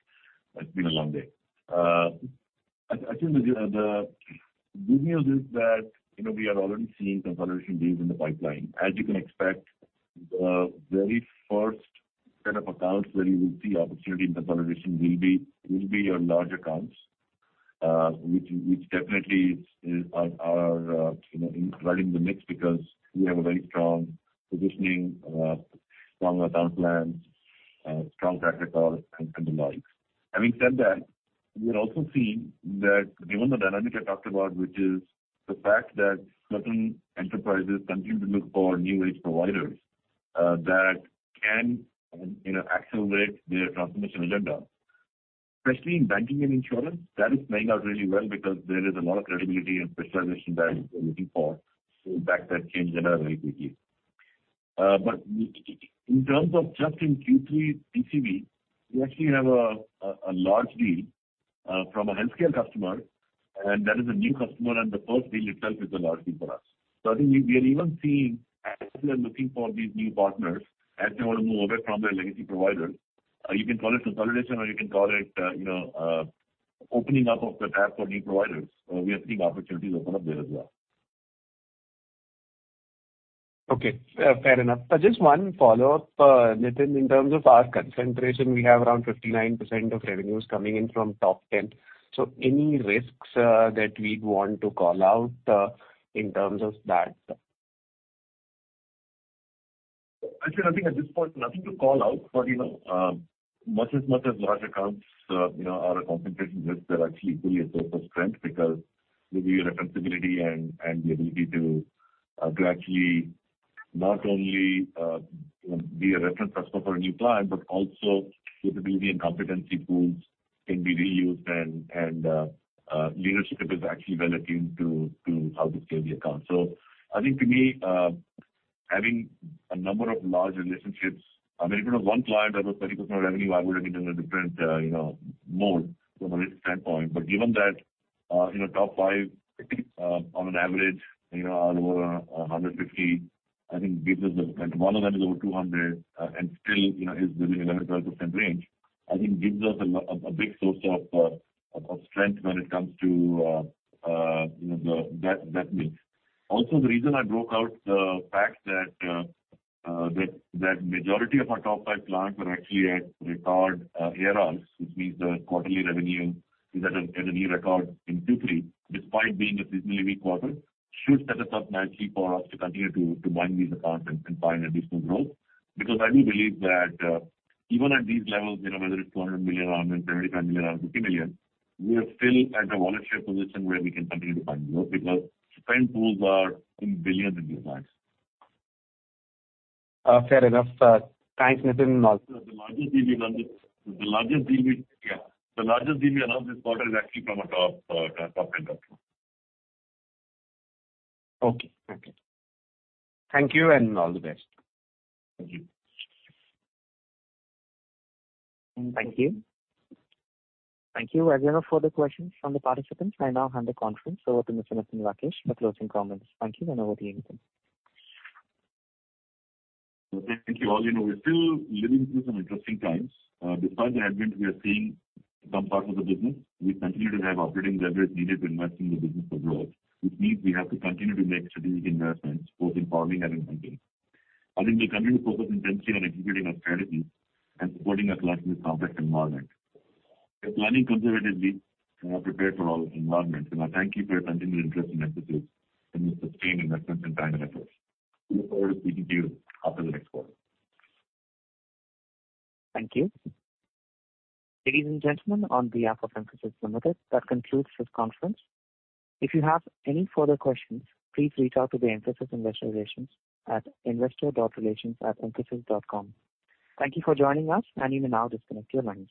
It's been a long day. I think the good news is that, you know, we are already seeing consolidation deals in the pipeline. As you can expect, the very first set of accounts where you would see opportunity in consolidation will be your large accounts. Which definitely is, are, you know, right in the mix because we have a very strong positioning, strong account plans, strong track record and the like. Having said that, we are also seeing that given the dynamic I talked about, which is the fact that certain enterprises continue to look for new age providers that can, you know, accelerate their transformation agenda. Especially in banking and insurance, that is playing out really well because there is a lot of credibility and specialization that they're looking for to back that change agenda very quickly. In terms of just in Q3 TCV, we actually have a large deal from a health scale customer, and that is a new customer and the first deal itself is a large deal for us. I think we are even seeing customers looking for these new partners as they want to move away from their legacy provider. You can call it consolidation or you can call it, you know, opening up of the tap for new providers. We are seeing opportunities open up there as well. Okay, fair enough. Just one follow-up, Nitin Rakesh. In terms of our concentration, we have around 59% of revenues coming in from top 10. Any risks that we'd want to call out in terms of that? Actually, I think at this point, nothing to call out. You know, much as large accounts, you know, are a concentration risk, they're actually equally a source of strength. We bring our flexibility and the ability to gradually not only, you know, be a reference customer for a new client, but also capability and competency pools can be reused and leadership is actually well attuned to how to scale the account. I think to me, having a number of large relationships. I mean, if it was one client that was 30% of revenue, I would have been in a different, you know, mode from a risk standpoint. Given that, you know, top five, I think, on an average, you know, are over $150 million, I think gives us the strength. One of them is over 200, and still, you know, is within 11%-12% range. I think gives us a big source of strength when it comes to, you know, the, that mix. The reason I broke out the fact that majority of our top five clients were actually at record ARR, which means the quarterly revenue is at a new record in Q3. Despite being a seasonally weak quarter should set us up nicely for us to continue to bind these accounts and find additional growth. I do believe that, even at these levels, you know, whether it's $200 million ARR and $75 million ARR or $50 million, we are still at a volume share position where we can continue to find growth because spend pools are in $ billions in these accounts. Fair enough. Thanks, Nitin. The largest deal we announced this quarter is actually from a top 10 customer. Okay. Okay. Thank you, and all the best. Thank you. Thank you. Thank you. As there are no further questions from the participants, I now hand the conference over to Mr. Nitin Rakesh for closing comments. Thank you. Over to you, Nitin Rakesh. Thank you all. You know, we're still living through some interesting times. Despite the headwinds we are seeing in some parts of the business, we continue to have operating leverage needed to invest in the business for growth. Which means we have to continue to make strategic investments, both in powering and in hunting. I think we'll continue to focus intensely on executing our strategy and supporting our clients in this complex environment. We're planning conservatively and are prepared for all environments. I thank you for your continued interest in Mphasis and your sustained investment and time and effort. We look forward to speaking to you after the next quarter. Thank you. Ladies and gentlemen, on behalf of Mphasis Limited, that concludes this conference. If you have any further questions, please reach out to the Mphasis Investor Relations at investor.relations@mphasis.com. Thank you for joining us, and you may now disconnect your lines.